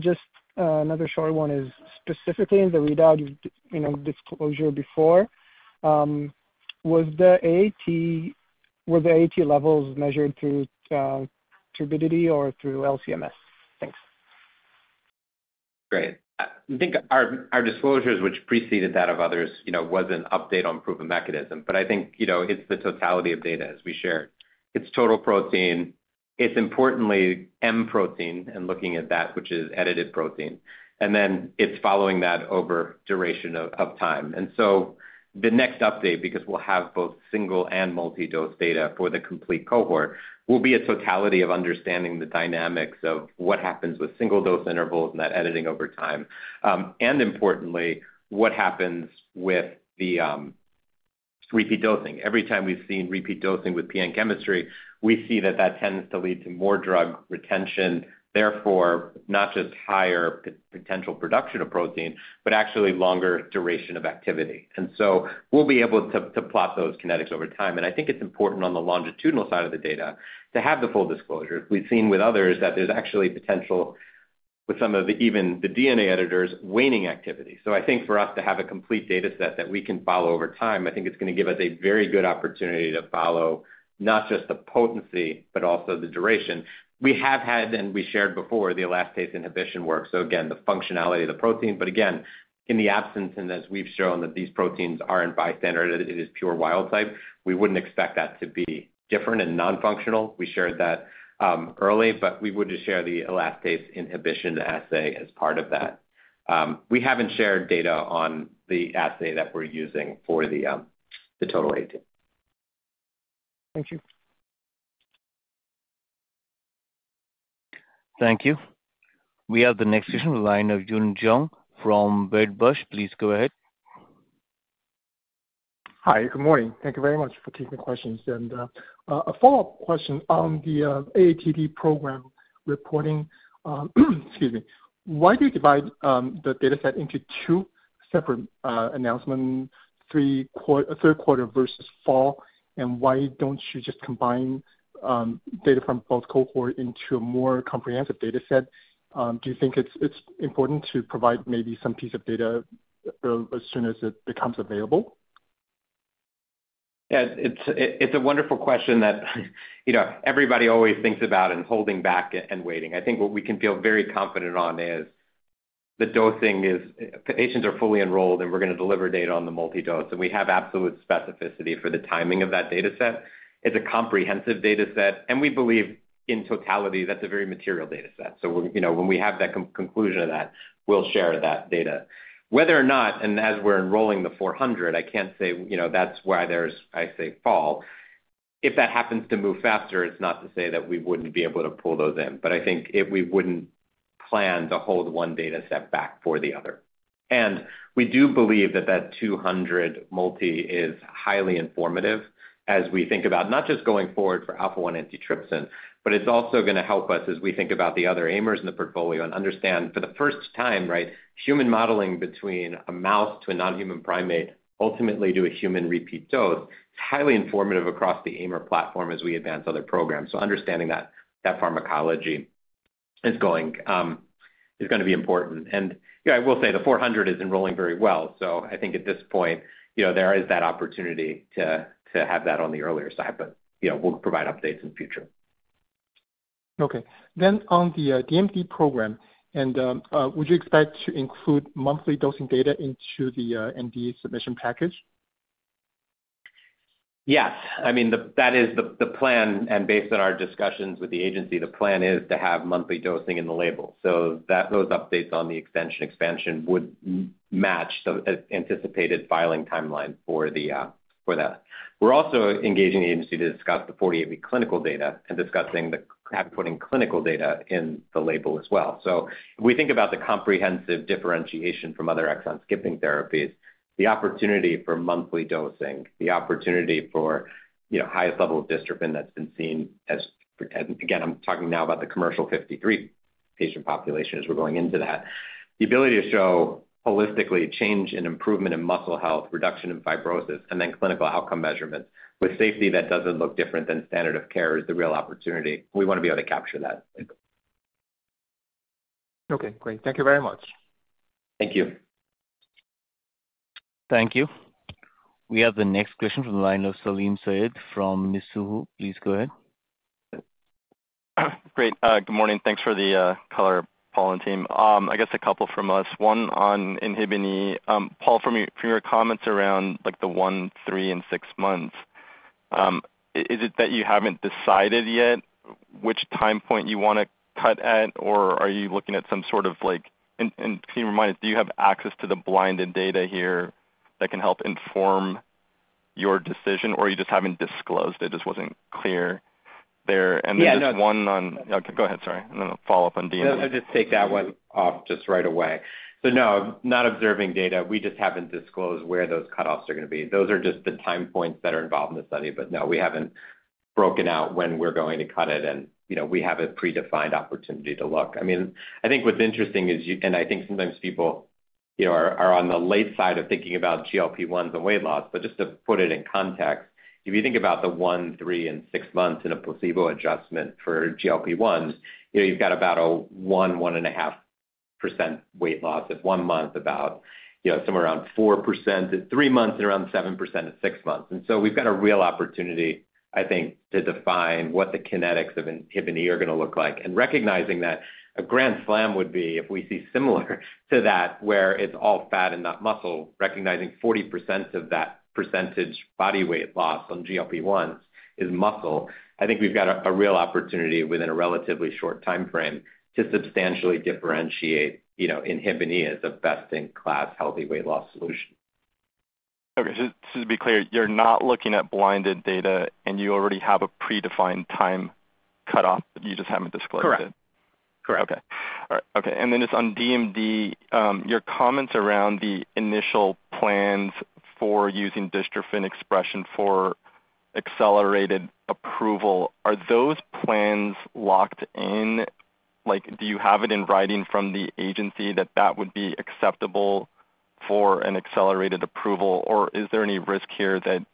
Just another short one is specifically in the readout disclosure before, were the AAT levels measured through turbidity or through LCMS? Thanks. Great. I think our disclosures, which preceded that of others, was an update on proven mechanism. I think it's the totality of data as we shared. It's total protein. It's importantly M protein and looking at that, which is edited protein. It's following that over duration of time. The next update, because we'll have both single and multi-dose data for the complete cohort, will be a totality of understanding the dynamics of what happens with single-dose intervals and that editing over time. Importantly, what happens with the repeat dosing. Every time we've seen repeat dosing with PN chemistry, we see that that tends to lead to more drug retention, therefore not just higher potential production of protein, but actually longer duration of activity. We'll be able to plot those kinetics over time. I think it's important on the longitudinal side of the data to have the full disclosure. We've seen with others that there's actually potential with some of even the DNA editors waning activity. I think for us to have a complete data set that we can follow over time, I think it's going to give us a very good opportunity to follow not just the potency, but also the duration. We have had, and we shared before, the elastase inhibition work. Again, the functionality of the protein. Again, in the absence, and as we've shown that these proteins are in bystander, it is pure wild type, we wouldn't expect that to be different and non-functional. We shared that early, but we would just share the elastase inhibition assay as part of that. We haven't shared data on the assay that we're using for the total AAT. Thank you. Thank you. We have the next question in the line of Yun Zhong from Wedbush. Please go ahead. Hi, good morning. Thank you very much for taking the questions. A follow-up question on the AATD program reporting. Excuse me. Why do you divide the data set into two separate announcements, Third Quarter versus fall? Why don't you just combine data from both cohorts into a more comprehensive data set? Do you think it's important to provide maybe some piece of data as soon as it becomes available? Yeah, it's a wonderful question that everybody always thinks about and holding back and waiting. I think what we can feel very confident on is the dosing is patients are fully enrolled, and we're going to deliver data on the multi-dose. We have absolute specificity for the timing of that data set. It's a comprehensive data set. We believe in totality that's a very material data set. When we have that conclusion of that, we'll share that data. Whether or not, and as we're enrolling the 400, I can't say that's why there's, I say, fall. If that happens to move faster, it's not to say that we wouldn't be able to pull those in. I think we wouldn't plan to hold one data set back for the other. We do believe that that 200 multi is highly informative as we think about not just going forward for alpha-1 antitrypsin, but it's also going to help us as we think about the other AIMers in the portfolio and understand for the first time, right, human modeling between a mouse to a non-human primate, ultimately to a human repeat dose, is highly informative across the AIMer platform as we advance other programs. Understanding that pharmacology is going to be important. I will say the 400 is enrolling very well. I think at this point, there is that opportunity to have that on the earlier side. We'll provide updates in the future. Okay. On the DMD program, would you expect to include monthly dosing data into the NDE submission package? Yes. I mean, that is the plan. Based on our discussions with the agency, the plan is to have monthly dosing in the label. Those updates on the extension expansion would match the anticipated filing timeline for that. We're also engaging the agency to discuss the 48-week clinical data and discussing putting clinical data in the label as well. If we think about the comprehensive differentiation from other exon-skipping therapies, the opportunity for monthly dosing, the opportunity for highest level of dystrophin that's been seen as, again, I'm talking now about the commercial 53 patient population as we're going into that, the ability to show holistically change in improvement in muscle health, reduction in fibrosis, and then clinical outcome measurements with safety that doesn't look different than standard of care is the real opportunity. We want to be able to capture that. Okay. Great. Thank you very much. Thank you. Thank you. We have the next question from the line of Salim Syed from Mizuho. Please go ahead. Great. Good morning. Thanks for the call, Paul and team. I guess a couple from us. One on INHBE. Paul, from your comments around the one, three, and six months, is it that you have not decided yet which time point you want to cut at, or are you looking at some sort of, and can you remind us, do you have access to the blinded data here that can help inform your decision, or you just have not disclosed it? It just was not clear there. There is one on- Yeah. Go ahead, sorry. A follow-up on DNA. I will just take that one off just right away. No, not observing data. We just have not disclosed where those cutoffs are going to be. Those are just the time points that are involved in the study. No, we have not broken out when we are going to cut it. We have a predefined opportunity to look. I mean, I think what's interesting is, and I think sometimes people are on the late side of thinking about GLP-1s and weight loss. Just to put it in context, if you think about the one, three, and six months in a placebo adjustment for GLP-1s, you've got about a 1-1.5% weight loss at one month, about somewhere around 4% at three months, and around 7% at six months. We have a real opportunity, I think, to define what the kinetics of INHBE are going to look like. Recognizing that a grand slam would be if we see similar to that where it's all fat and not muscle, recognizing 40% of that percentage body weight loss on GLP-1s is muscle, I think we've got a real opportunity within a relatively short time frame to substantially differentiate INHBE as a best-in-class healthy weight loss solution. Okay. To be clear, you're not looking at blinded data, and you already have a predefined time cutoff that you just haven't disclosed yet? Correct. Correct. Okay. All right. Okay. And then just on DMD, your comments around the initial plans for using dystrophin expression for accelerated approval, are those plans locked in? Do you have it in writing from the agency that that would be acceptable for an accelerated approval? Or is there any risk here that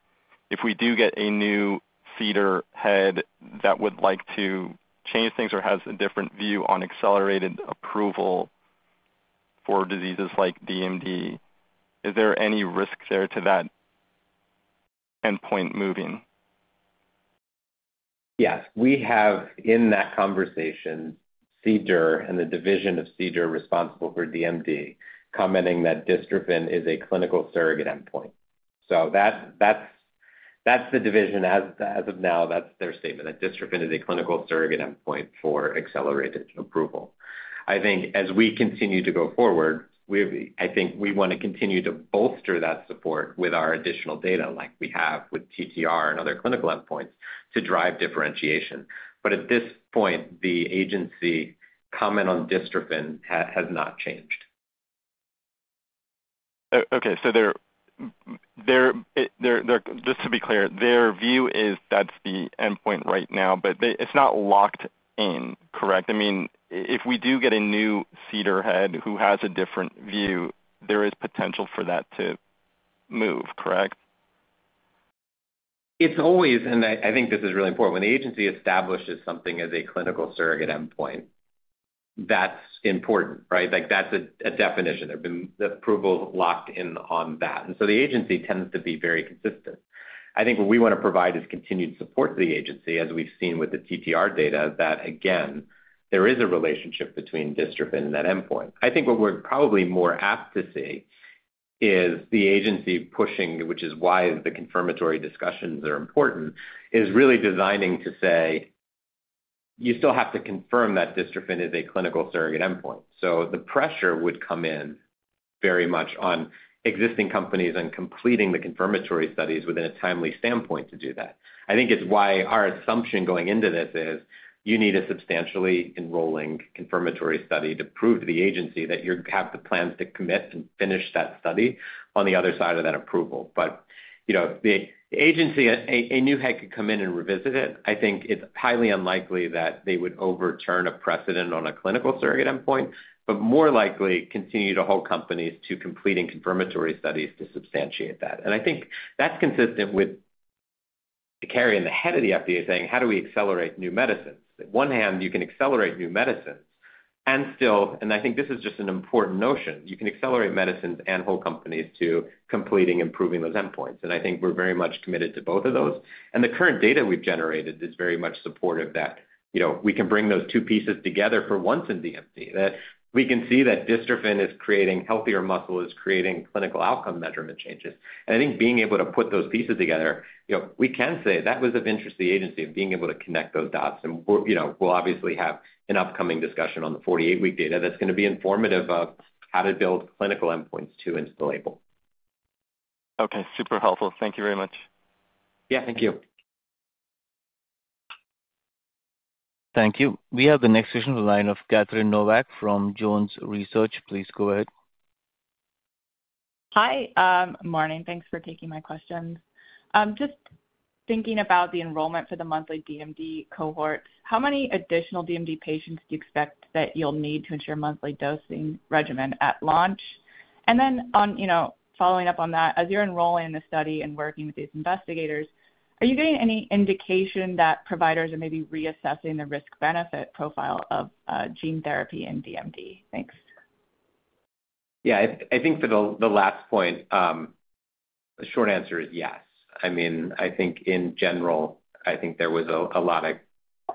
if we do get a new feeder head that would like to change things or has a different view on accelerated approval for diseases like DMD, is there any risk there to that endpoint moving? Yes. We have, in that conversation, CDER and the division of CDER responsible for DMD commenting that dystrophin is a clinical surrogate endpoint. That's the division. As of now, that's their statement, that dystrophin is a clinical surrogate endpoint for accelerated approval. I think as we continue to go forward, I think we want to continue to bolster that support with our additional data like we have with TTR and other clinical endpoints to drive differentiation. At this point, the agency comment on dystrophin has not changed. Okay. Just to be clear, their view is that's the endpoint right now, but it's not locked in, correct? I mean, if we do get a new feeder head who has a different view, there is potential for that to move, correct? It's always, and I think this is really important. When the agency establishes something as a clinical surrogate endpoint, that's important, right? That's a definition. There have been approvals locked in on that. The agency tends to be very consistent. I think what we want to provide is continued support to the agency as we've seen with the TTR data that, again, there is a relationship between dystrophin and that endpoint. I think what we're probably more apt to see is the agency pushing, which is why the confirmatory discussions are important, is really designing to say, "You still have to confirm that dystrophin is a clinical surrogate endpoint." The pressure would come in very much on existing companies and completing the confirmatory studies within a timely standpoint to do that. I think it's why our assumption going into this is you need a substantially enrolling confirmatory study to prove to the agency that you have the plans to commit and finish that study on the other side of that approval. The agency, a new head could come in and revisit it. I think it's highly unlikely that they would overturn a precedent on a clinical surrogate endpoint, but more likely continue to hold companies to completing confirmatory studies to substantiate that. I think that's consistent with the carry in the head of the FDA saying, "How do we accelerate new medicines?" On one hand, you can accelerate new medicines. I think this is just an important notion. You can accelerate medicines and hold companies to completing and improving those endpoints. I think we're very much committed to both of those. The current data we've generated is very much supportive that we can bring those two pieces together for once in DMD, that we can see that dystrophin is creating healthier muscle, is creating clinical outcome measurement changes. I think being able to put those pieces together, we can say that was of interest to the agency, being able to connect those dots. We'll obviously have an upcoming discussion on the 48-week data that's going to be informative of how to build clinical endpoints too into the label. Okay. Super helpful. Thank you very much. Yeah. Thank you. Thank you. We have the next question in the line of Catherine Novak from Jones Research. Please go ahead. Hi. Morning. Thanks for taking my questions. Just thinking about the enrollment for the monthly DMD cohorts, how many additional DMD patients do you expect that you'll need to ensure monthly dosing regimen at launch? Following up on that, as you're enrolling in the study and working with these investigators, are you getting any indication that providers are maybe reassessing the risk-benefit profile of gene therapy in DMD? Thanks. Yeah. I think for the last point, the short answer is yes. I mean, I think in general, there was a lot of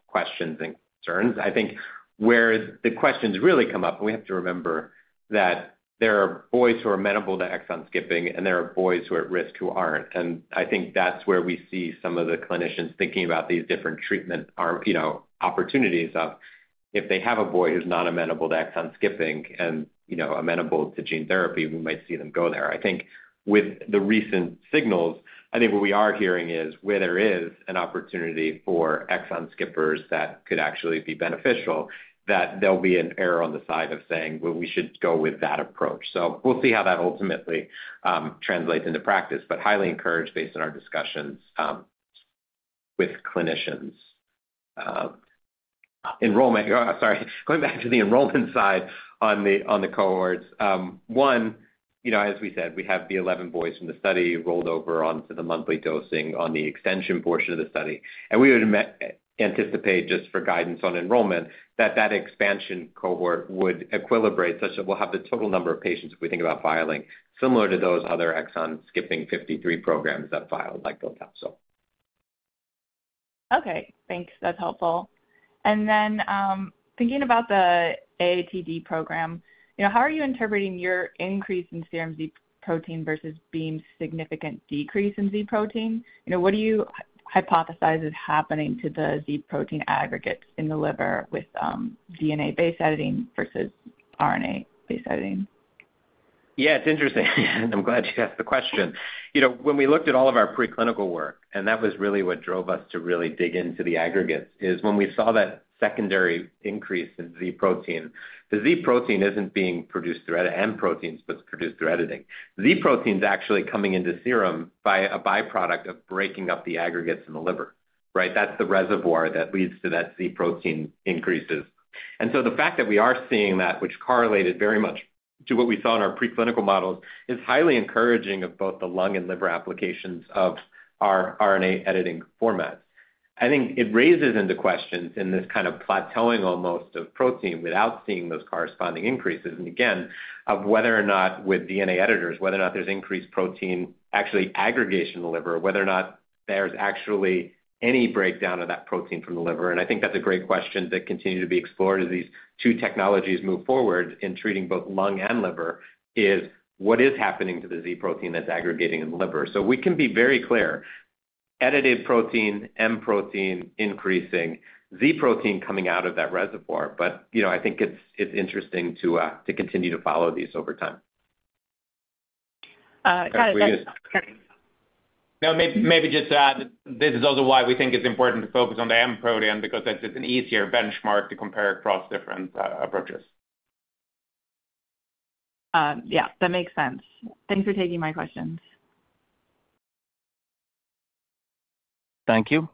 questions and concerns. I think where the questions really come up, we have to remember that there are boys who are amenable to exon skipping, and there are boys who are at risk who aren't. I think that's where we see some of the clinicians thinking about these different treatment opportunities of if they have a boy who's not amenable to exon skipping and amenable to gene therapy, we might see them go there. I think with the recent signals, I think what we are hearing is where there is an opportunity for exon-skippers that could actually be beneficial, that there will be an error on the side of saying, "Well, we should go with that approach." We will see how that ultimately translates into practice, but highly encouraged based on our discussions with clinicians. Going back to the enrollment side on the cohorts. One, as we said, we have the 11 boys from the study rolled over onto the monthly dosing on the extension portion of the study. We would anticipate just for guidance on enrollment that that expansion cohort would equilibrate such that we will have the total number of patients if we think about filing similar to those other exon-skipping 53 programs that filed like Botox. Okay. Thanks. That is helpful. Thinking about the AATD program, how are you interpreting your increase in serum Z protein versus Beam's significant decrease in Z protein? What do you hypothesize is happening to the Z protein aggregates in the liver with DNA-based editing versus RNA-based editing? Yeah. It's interesting. I'm glad you asked the question. When we looked at all of our preclinical work, and that was really what drove us to really dig into the aggregates, is when we saw that secondary increase in Z protein, the Z protein isn't being produced through edit and proteins, but it's produced through editing. Z protein's actually coming into serum by a byproduct of breaking up the aggregates in the liver, right? That's the reservoir that leads to that Z protein increase. The fact that we are seeing that, which correlated very much to what we saw in our preclinical models, is highly encouraging of both the lung and liver applications of our RNA-editing formats. I think it raises into questions in this kind of plateauing almost of protein without seeing those corresponding increases. Again, of whether or not with DNA editors, whether or not there is increased protein actually aggregation in the liver, whether or not there is actually any breakdown of that protein from the liver. I think that is a great question that continues to be explored as these two technologies move forward in treating both lung and liver, what is happening to the Z protein that is aggregating in the liver. We can be very clear, edited protein, M protein increasing, Z protein coming out of that reservoir. I think it's interesting to continue to follow these over time. Got it. Okay. No, maybe just add, "This is also why we think it's important to focus on the M protein because it's an easier benchmark to compare across different approaches." Yeah. That makes sense. Thanks for taking my questions. Thank you.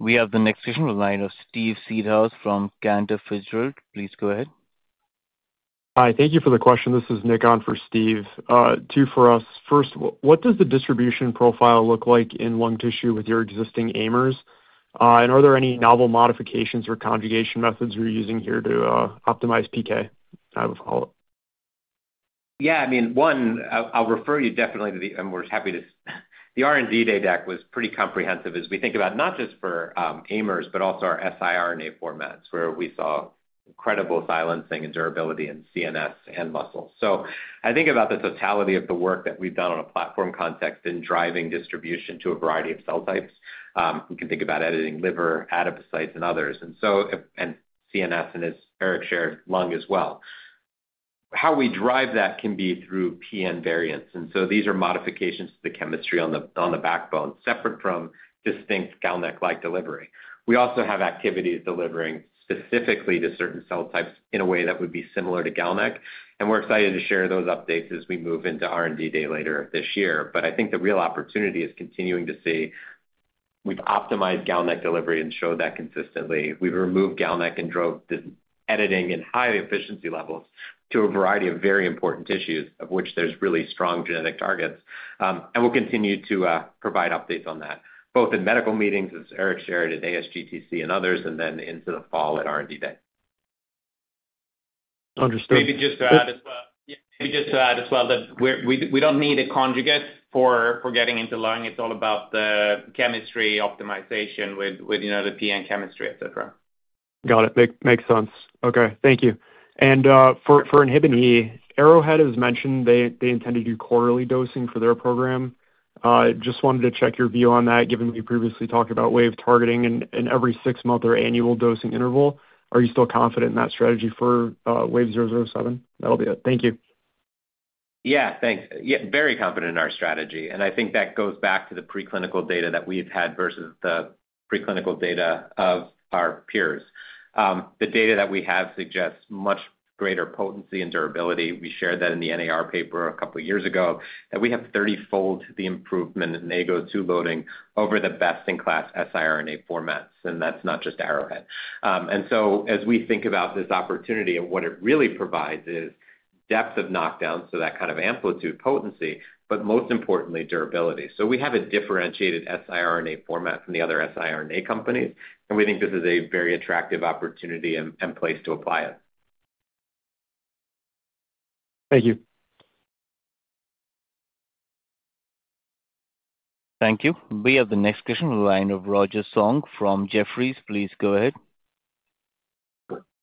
We have the next question from the line of Steve Seedhouse from Cantor Fitzgerald. Please go ahead. Hi. Thank you for the question. This is Nick on for Steve. Two for us. First, what does the distribution profile look like in lung tissue with your existing AIMers? And are there any novel modifications or conjugation methods you're using here to optimize PK? I have a follow-up. Yeah. I mean, one, I'll refer you definitely to the—I'm always happy to—the R&D day deck was pretty comprehensive as we think about not just for AIMers, but also our siRNA formats where we saw incredible silencing and durability in CNS and muscle. I think about the totality of the work that we've done on a platform context in driving distribution to a variety of cell types. You can think about editing liver, adipocytes, and others. CNS, and as Erik shared, lung as well. How we drive that can be through PN variants. These are modifications to the chemistry on the backbone, separate from distinct GalNAc-like delivery. We also have activities delivering specifically to certain cell types in a way that would be similar to GalNAc. We're excited to share those updates as we move into R&D day later this year. I think the real opportunity is continuing to see we've optimized GalNAc delivery and showed that consistently. We've removed GalNAc and drove editing and high efficiency levels to a variety of very important tissues, of which there's really strong genetic targets. We'll continue to provide updates on that, both in medical meetings, as Erik shared, at ASGTC and others, and then into the fall at R&D day. Understood. Maybe just to add as well, yeah. Maybe just to add as well that we don't need a conjugate for getting into lung; it's all about the chemistry optimization with the PN chemistry, etc. Got it. Makes sense. Okay. Thank you. For INHBE, Arrowhead has mentioned they intended to do quarterly dosing for their program. Just wanted to check your view on that, given we previously talked about Wave targeting and every six-month or annual dosing interval. Are you still confident in that strategy for WVE-007? That'll be it. Thank you. Yeah. Thanks. Yeah. Very confident in our strategy. I think that goes back to the preclinical data that we've had versus the preclinical data of our peers. The data that we have suggests much greater potency and durability. We shared that in the NAR paper a couple of years ago, that we have 30-fold the improvement in AGO2 loading over the best-in-class siRNA formats. That is not just Arrowhead. As we think about this opportunity, what it really provides is depth of knockdown, that kind of amplitude potency, but most importantly, durability. We have a differentiated siRNA format from the other siRNA companies. We think this is a very attractive opportunity and place to apply it. Thank you. Thank you. We have the next question in the line of Roger Song from Jefferies. Please go ahead.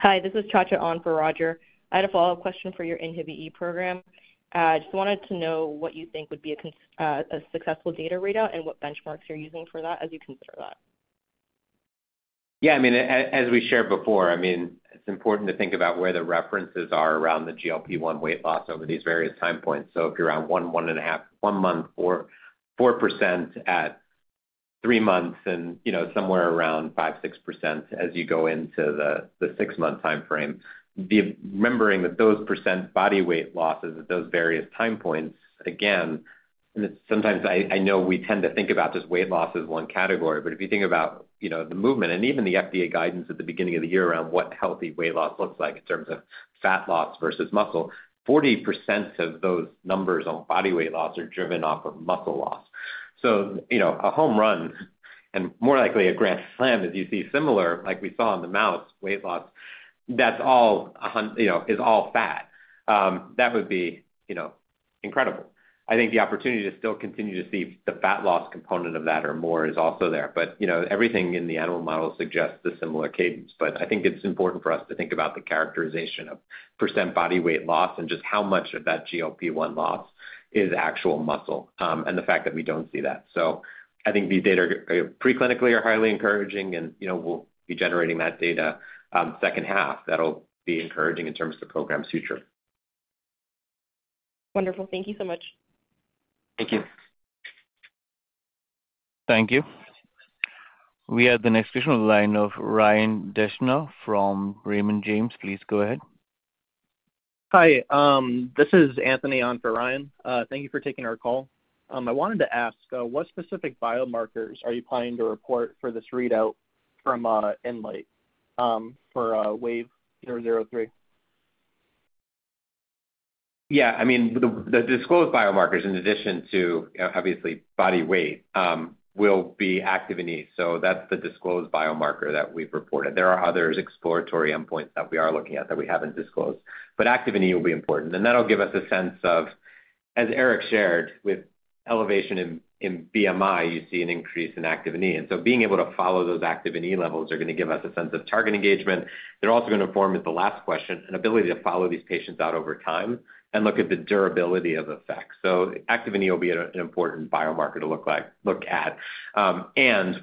Hi. This is Jiale on for Roger. I had a follow-up question for your INHBE program. I just wanted to know what you think would be a successful data readout and what benchmarks you're using for that as you consider that. Yeah. I mean, as we shared before, I mean, it's important to think about where the references are around the GLP-1 weight loss over these various time points. If you're on one, one and a half, one month, or 4% at three months and somewhere around 5%-6% as you go into the six-month timeframe, remembering that those % body weight losses at those various time points, again, sometimes I know we tend to think about just weight loss as one category, but if you think about the movement and even the FDA guidance at the beginning of the year around what healthy weight loss looks like in terms of fat loss versus muscle, 40% of those numbers on body weight loss are driven off of muscle loss. A home run and more likely a grand slam as you see similar, like we saw in the mouse weight loss, that's all is all fat. That would be incredible. I think the opportunity to still continue to see the fat loss component of that or more is also there. Everything in the animal model suggests a similar cadence. I think it's important for us to think about the characterization of % body weight loss and just how much of that GLP-1 loss is actual muscle and the fact that we don't see that. I think these data preclinically are highly encouraging, and we'll be generating that data second half that'll be encouraging in terms of the program's future. Wonderful. Thank you so much. Thank you. Thank you. We have the next question in the line of Ryan Deshna from Raymond James. Please go ahead. Hi. This is Anthony on for Ryan. Thank you for taking our call. I wanted to ask, what specific biomarkers are you planning to report for this readout from NLAIT for WVE-003? Yeah. I mean, the disclosed biomarkers, in addition to obviously body weight, will be activin E. So that's the disclosed biomarker that we've reported. There are other exploratory endpoints that we are looking at that we haven't disclosed. Activin E will be important. That'll give us a sense of, as Erik shared, with elevation in BMI, you see an increase in activin E. Being able to follow those activin E levels is going to give us a sense of target engagement. They're also going to inform, as the last question, an ability to follow these patients out over time and look at the durability of effects. Activin E will be an important biomarker to look at.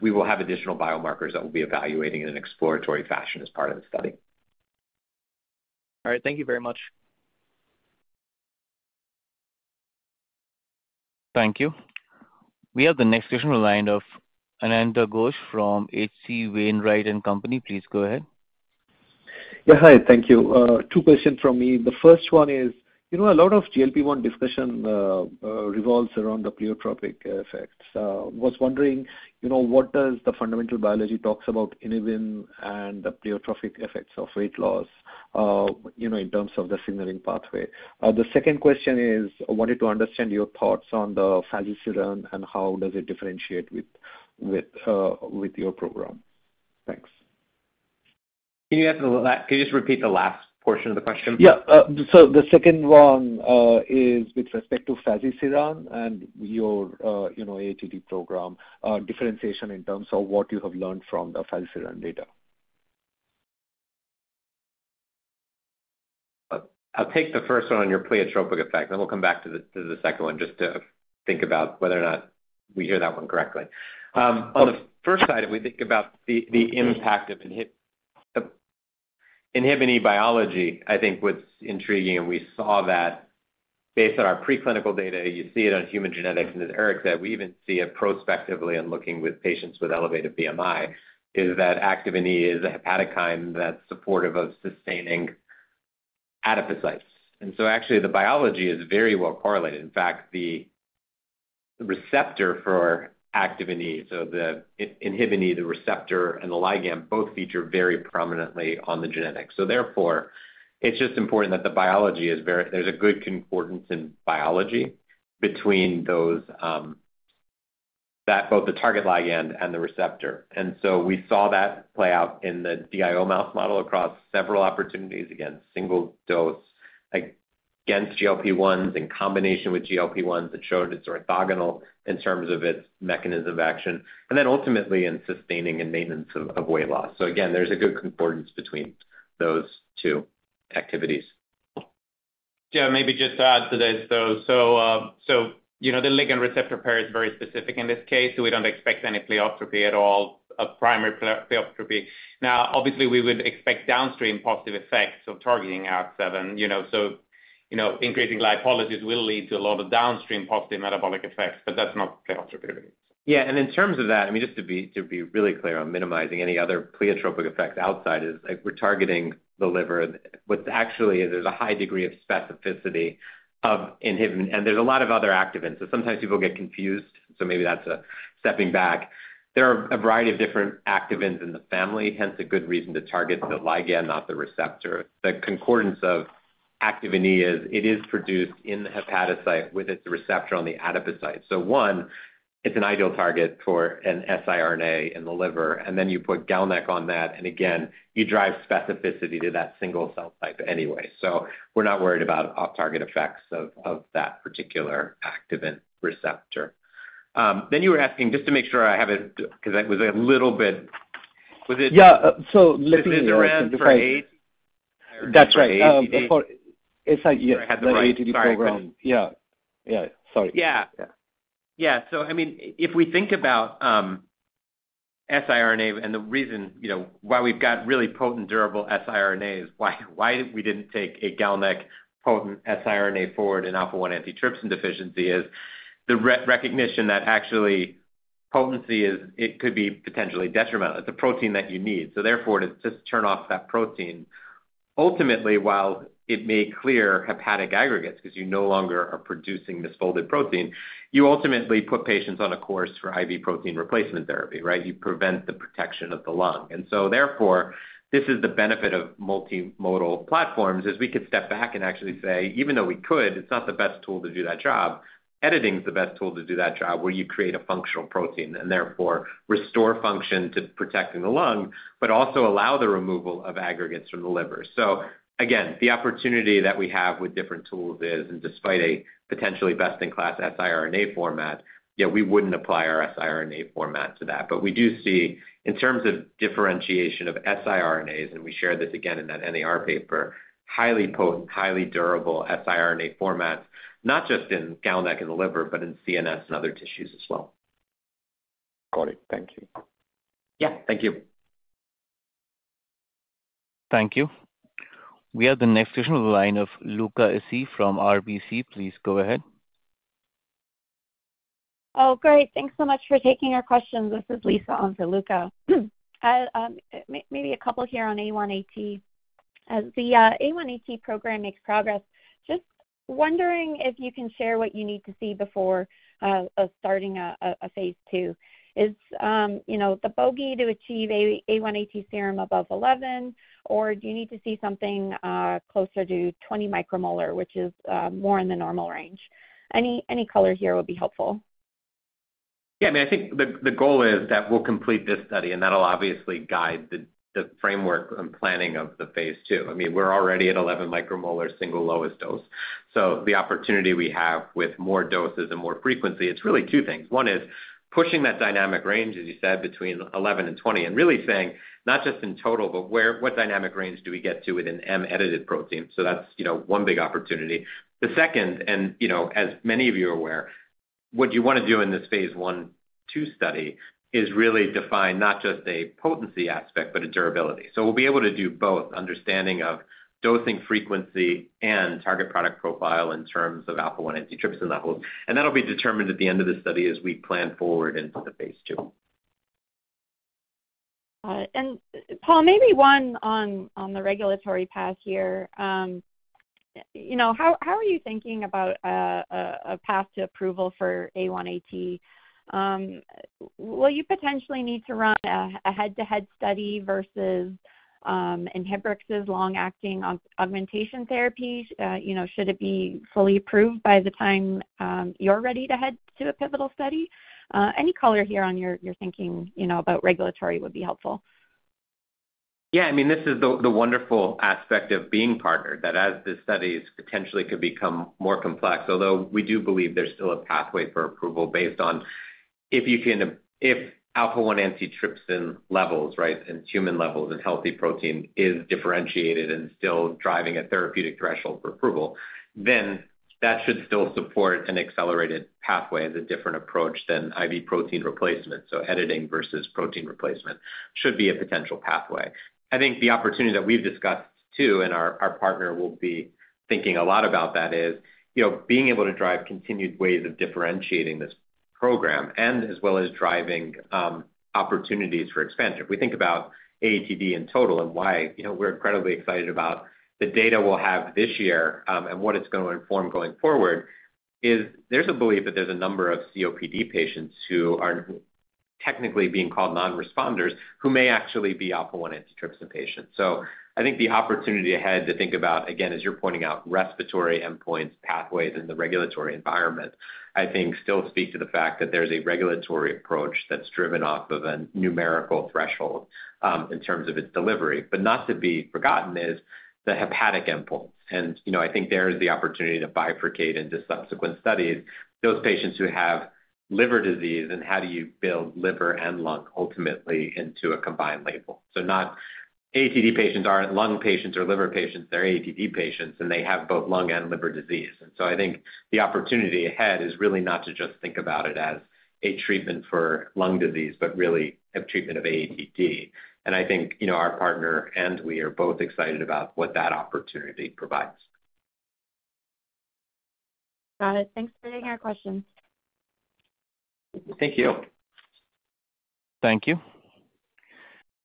We will have additional biomarkers that we'll be evaluating in an exploratory fashion as part of the study. All right. Thank you very much. Thank you. We have the next question in the line of Ananda Ghosh from H.C. Wainwright & Company. Please go ahead. Yeah. Hi. Thank you. Two questions from me. The first one is a lot of GLP-1 discussion revolves around the pleiotropic effects. I was wondering what does the fundamental biology talk about inhibin and the pleiotropic effects of weight loss in terms of the signaling pathway. The second question is I wanted to understand your thoughts on the fagocitin and how does it differentiate with your program. Thanks. Can you ask the last can you just repeat the last portion of the question? Yeah. The second one is with respect to fagocitin and your AATD program, differentiation in terms of what you have learned from the fagocitin data. I'll take the first one on your pleiotropic effect. Then we'll come back to the second one just to think about whether or not we hear that one correctly. On the first side, if we think about the impact of inhibin E biology, I think what's intriguing, and we saw that based on our preclinical data, you see it on human genetics. As Erik said, we even see it prospectively and looking with patients with elevated BMI, is that activin E is a hepatokine that's supportive of sustaining adipocytes. Actually, the biology is very well correlated. In fact, the receptor for activin E, so the inhibin E, the receptor and the ligand both feature very prominently on the genetics. Therefore, it's just important that the biology is very, there's a good concordance in biology between those, that both the target ligand and the receptor. We saw that play out in the DIO mouse model across several opportunities, against single dose, against GLP-1s, in combination with GLP-1s, that showed it's orthogonal in terms of its mechanism of action, and then ultimately in sustaining and maintenance of weight loss. Again, there's a good concordance between those two activities. Yeah. Maybe just to add to this, though, the ligand-receptor pair is very specific in this case. We don't expect any pleiotropy at all, a primary pleiotropy. Now, obviously, we would expect downstream positive effects of targeting ALK7. Increasing lipolysis will lead to a lot of downstream positive metabolic effects, but that's not pleiotropy. Yeah. In terms of that, I mean, just to be really clear on minimizing any other pleiotropic effects outside, we're targeting the liver. What actually is, there's a high degree of specificity of inhibin. And there's a lot of other activins, so sometimes people get confused. Maybe that's a stepping back. There are a variety of different activins in the family, hence a good reason to target the ligand, not the receptor. The concordance of activin E is it is produced in the hepatocyte with its receptor on the adipocyte. One, it's an ideal target for an siRNA in the liver. Then you put GalNAc on that, and again, you drive specificity to that single cell type anyway. We're not worried about off-target effects of that particular activin receptor. You were asking just to make sure I have it because it was a little bit, was it? Yeah. Let me read the phrase. That's right. It's like yes. I had the AATD program. Yeah. Sorry. Yeah. If we think about siRNA and the reason why we've got really potent, durable siRNAs, why we did not take a GalNAc potent siRNA forward in alpha-1 antitrypsin deficiency is the recognition that actually potency could be potentially detrimental. It's a protein that you need. Therefore, to just turn off that protein, ultimately, while it may clear hepatic aggregates because you no longer are producing misfolded protein, you ultimately put patients on a course for IV protein replacement therapy, right? You prevent the protection of the lung. Therefore, this is the benefit of multimodal platforms is we could step back and actually say, even though we could, it's not the best tool to do that job. Editing is the best tool to do that job where you create a functional protein and therefore restore function to protecting the lung, but also allow the removal of aggregates from the liver. Again, the opportunity that we have with different tools is, and despite a potentially best-in-class siRNA format, yeah, we would not apply our siRNA format to that. We do see, in terms of differentiation of siRNAs, and we shared this again in that NAR paper, highly potent, highly durable siRNA formats, not just in GalNAc in the liver, but in CNS and other tissues as well. Got it. Thank you. Yeah. Thank you. Thank you. We have the next question in the line of Luca Essi from RBC. Please go ahead. Oh, great. Thanks so much for taking our questions. This is Lisa on for Luca. Maybe a couple here on A1AT. The A1AT program makes progress. Just wondering if you can share what you need to see before starting a phase two. Is the bogey to achieve A1AT serum above 11, or do you need to see something closer to 20 micromolar, which is more in the normal range? Any color here would be helpful. Yeah. I mean, I think the goal is that we'll complete this study, and that'll obviously guide the framework and planning of the phase two. I mean, we're already at 11 micromolar single lowest dose. So the opportunity we have with more doses and more frequency, it's really two things. One is pushing that dynamic range, as you said, between 11 and 20, and really saying not just in total, but what dynamic range do we get to with an M-edited protein? That is one big opportunity. The second, and as many of you are aware, what you want to do in this phase one two study is really define not just a potency aspect, but a durability. We will be able to do both understanding of dosing frequency and target product profile in terms of alpha-1 antitrypsin levels. That will be determined at the end of the study as we plan forward into the phase two. Paul, maybe one on the regulatory path here. How are you thinking about a path to approval for A1AT? Will you potentially need to run a head-to-head study versus Inhibrix's long-acting augmentation therapy? Should it be fully approved by the time you're ready to head to a pivotal study? Any color here on your thinking about regulatory would be helpful. Yeah. I mean, this is the wonderful aspect of being partnered that as this study potentially could become more complex, although we do believe there's still a pathway for approval based on if you can, if alpha-1 antitrypsin levels, right, and human levels and healthy protein is differentiated and still driving a therapeutic threshold for approval, then that should still support an accelerated pathway as a different approach than IV protein replacement. Editing versus protein replacement should be a potential pathway. I think the opportunity that we've discussed too, and our partner will be thinking a lot about that, is being able to drive continued ways of differentiating this program and as well as driving opportunities for expansion. If we think about AATD in total and why we're incredibly excited about the data we'll have this year and what it's going to inform going forward, there's a belief that there's a number of COPD patients who are technically being called non-responders who may actually be alpha-1 antitrypsin patients. I think the opportunity ahead to think about, again, as you're pointing out, respiratory endpoints, pathways, and the regulatory environment, I think still speak to the fact that there's a regulatory approach that's driven off of a numerical threshold in terms of its delivery. Not to be forgotten is the hepatic endpoints. I think there is the opportunity to bifurcate into subsequent studies. Those patients who have liver disease, and how do you build liver and lung ultimately into a combined label? Not AATD patients aren't lung patients or liver patients. They're AATD patients, and they have both lung and liver disease. I think the opportunity ahead is really not to just think about it as a treatment for lung disease, but really a treatment of AATD. I think our partner and we are both excited about what that opportunity provides. Got it. Thanks for taking our questions. Thank you. Thank you.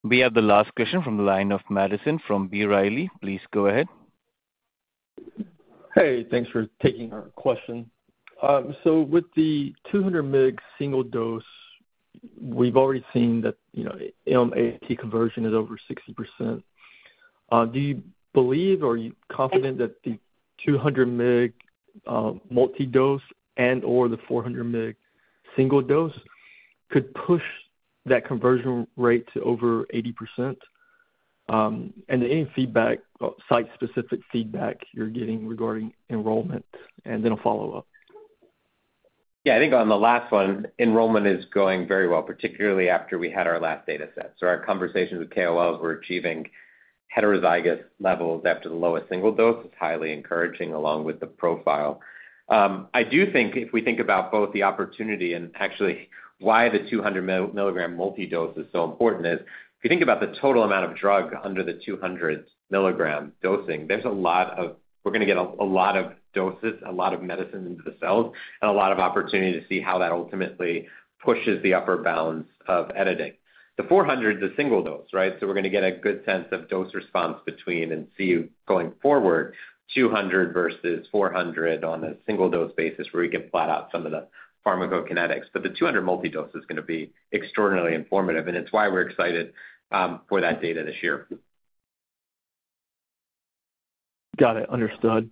We have the last question from the line of Madison from B. Riley. Please go ahead. Hey. Thanks for taking our question. With the 200 mg single dose, we've already seen that A1AT conversion is over 60%. Do you believe or are you confident that the 200 mg multi-dose and/or the 400 mg single dose could push that conversion rate to over 80%? Any feedback, site-specific feedback you're getting regarding enrollment and then a follow-up? Yeah. I think on the last one, enrollment is going very well, particularly after we had our last data set. Our conversations with KOLs were achieving heterozygous levels after the lowest single dose. It is highly encouraging along with the profile. I do think if we think about both the opportunity and actually why the 200-milligram multi-dose is so important is if you think about the total amount of drug under the 200-milligram dosing, there is a lot of, we are going to get a lot of doses, a lot of medicine into the cells, and a lot of opportunity to see how that ultimately pushes the upper bounds of editing. The 400 is a single dose, right? We are going to get a good sense of dose response between and see going forward 200 versus 400 on a single-dose basis where we can flat out some of the pharmacokinetics. The 200-multi-dose is going to be extraordinarily informative. It is why we are excited for that data this year. Got it. Understood.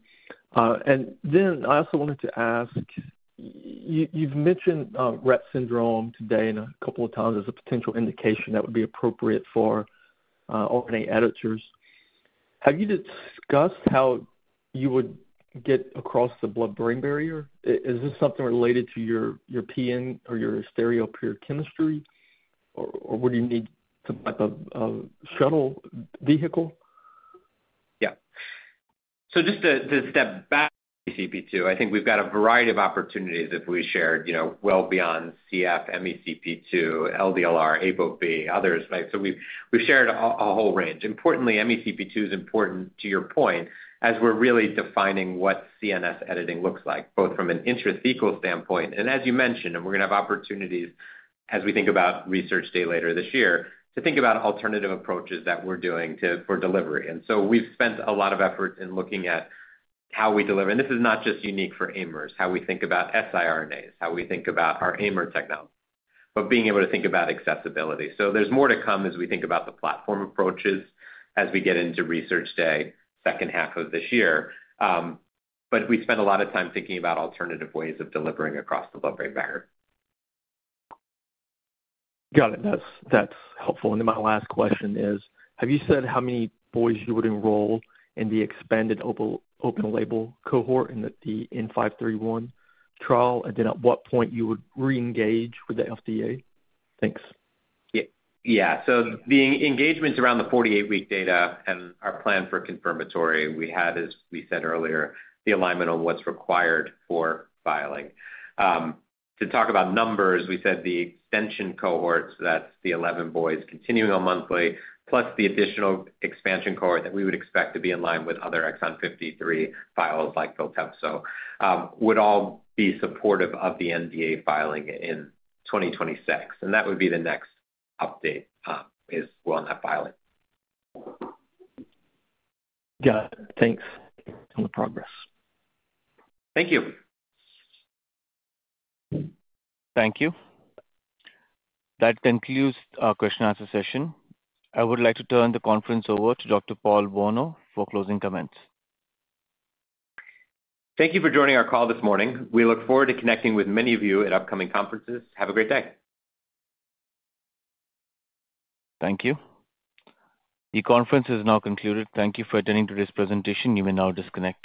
I also wanted to ask, you have mentioned Rett syndrome today and a couple of times as a potential indication that would be appropriate for RNA editors. Have you discussed how you would get across the blood-brain barrier? Is this something related to your PN or your stereo pure chemistry, or would you need some type of shuttle vehicle? Yeah. Just to step back. MECP2. I think we have got a variety of opportunities that we shared well beyond CF, MECP2, LDLR, ApoB, others, right? We have shared a whole range. Importantly, MECP2 is important, to your point, as we are really defining what CNS editing looks like, both from an intrathecal standpoint. As you mentioned, we are going to have opportunities as we think about research day later this year to think about alternative approaches that we are doing for delivery. We have spent a lot of effort in looking at how we deliver. This is not just unique for AIMers, how we think about siRNAs, how we think about our AIMer technology, but being able to think about accessibility. There is more to come as we think about the platform approaches as we get into research day, second half of this year. We spend a lot of time thinking about alternative ways of delivering across the blood-brain barrier. Got it. That is helpful. My last question is, have you said how many boys you would enroll in the expanded open-label cohort in the N531 trial, and at what point you would re-engage with the FDA? Thanks. Yeah. The engagements around the 48-week data and our plan for confirmatory, we had, as we said earlier, the alignment on what's required for filing. To talk about numbers, we said the extension cohorts, that's the 11 boys continuing on monthly, plus the additional expansion cohort that we would expect to be in line with other Exon 53 files like Viltepso, would all be supportive of the NDA filing in 2026. That would be the next update as well on that filing. Got it. Thanks on the progress. Thank you. Thank you. That concludes our question-answer session. I would like to turn the conference over to Dr. Paul Bolno for closing comments. Thank you for joining our call this morning. We look forward to connecting with many of you at upcoming conferences. Have a great day. Thank you. The conference is now concluded. Thank you for attending today's presentation. You may now disconnect.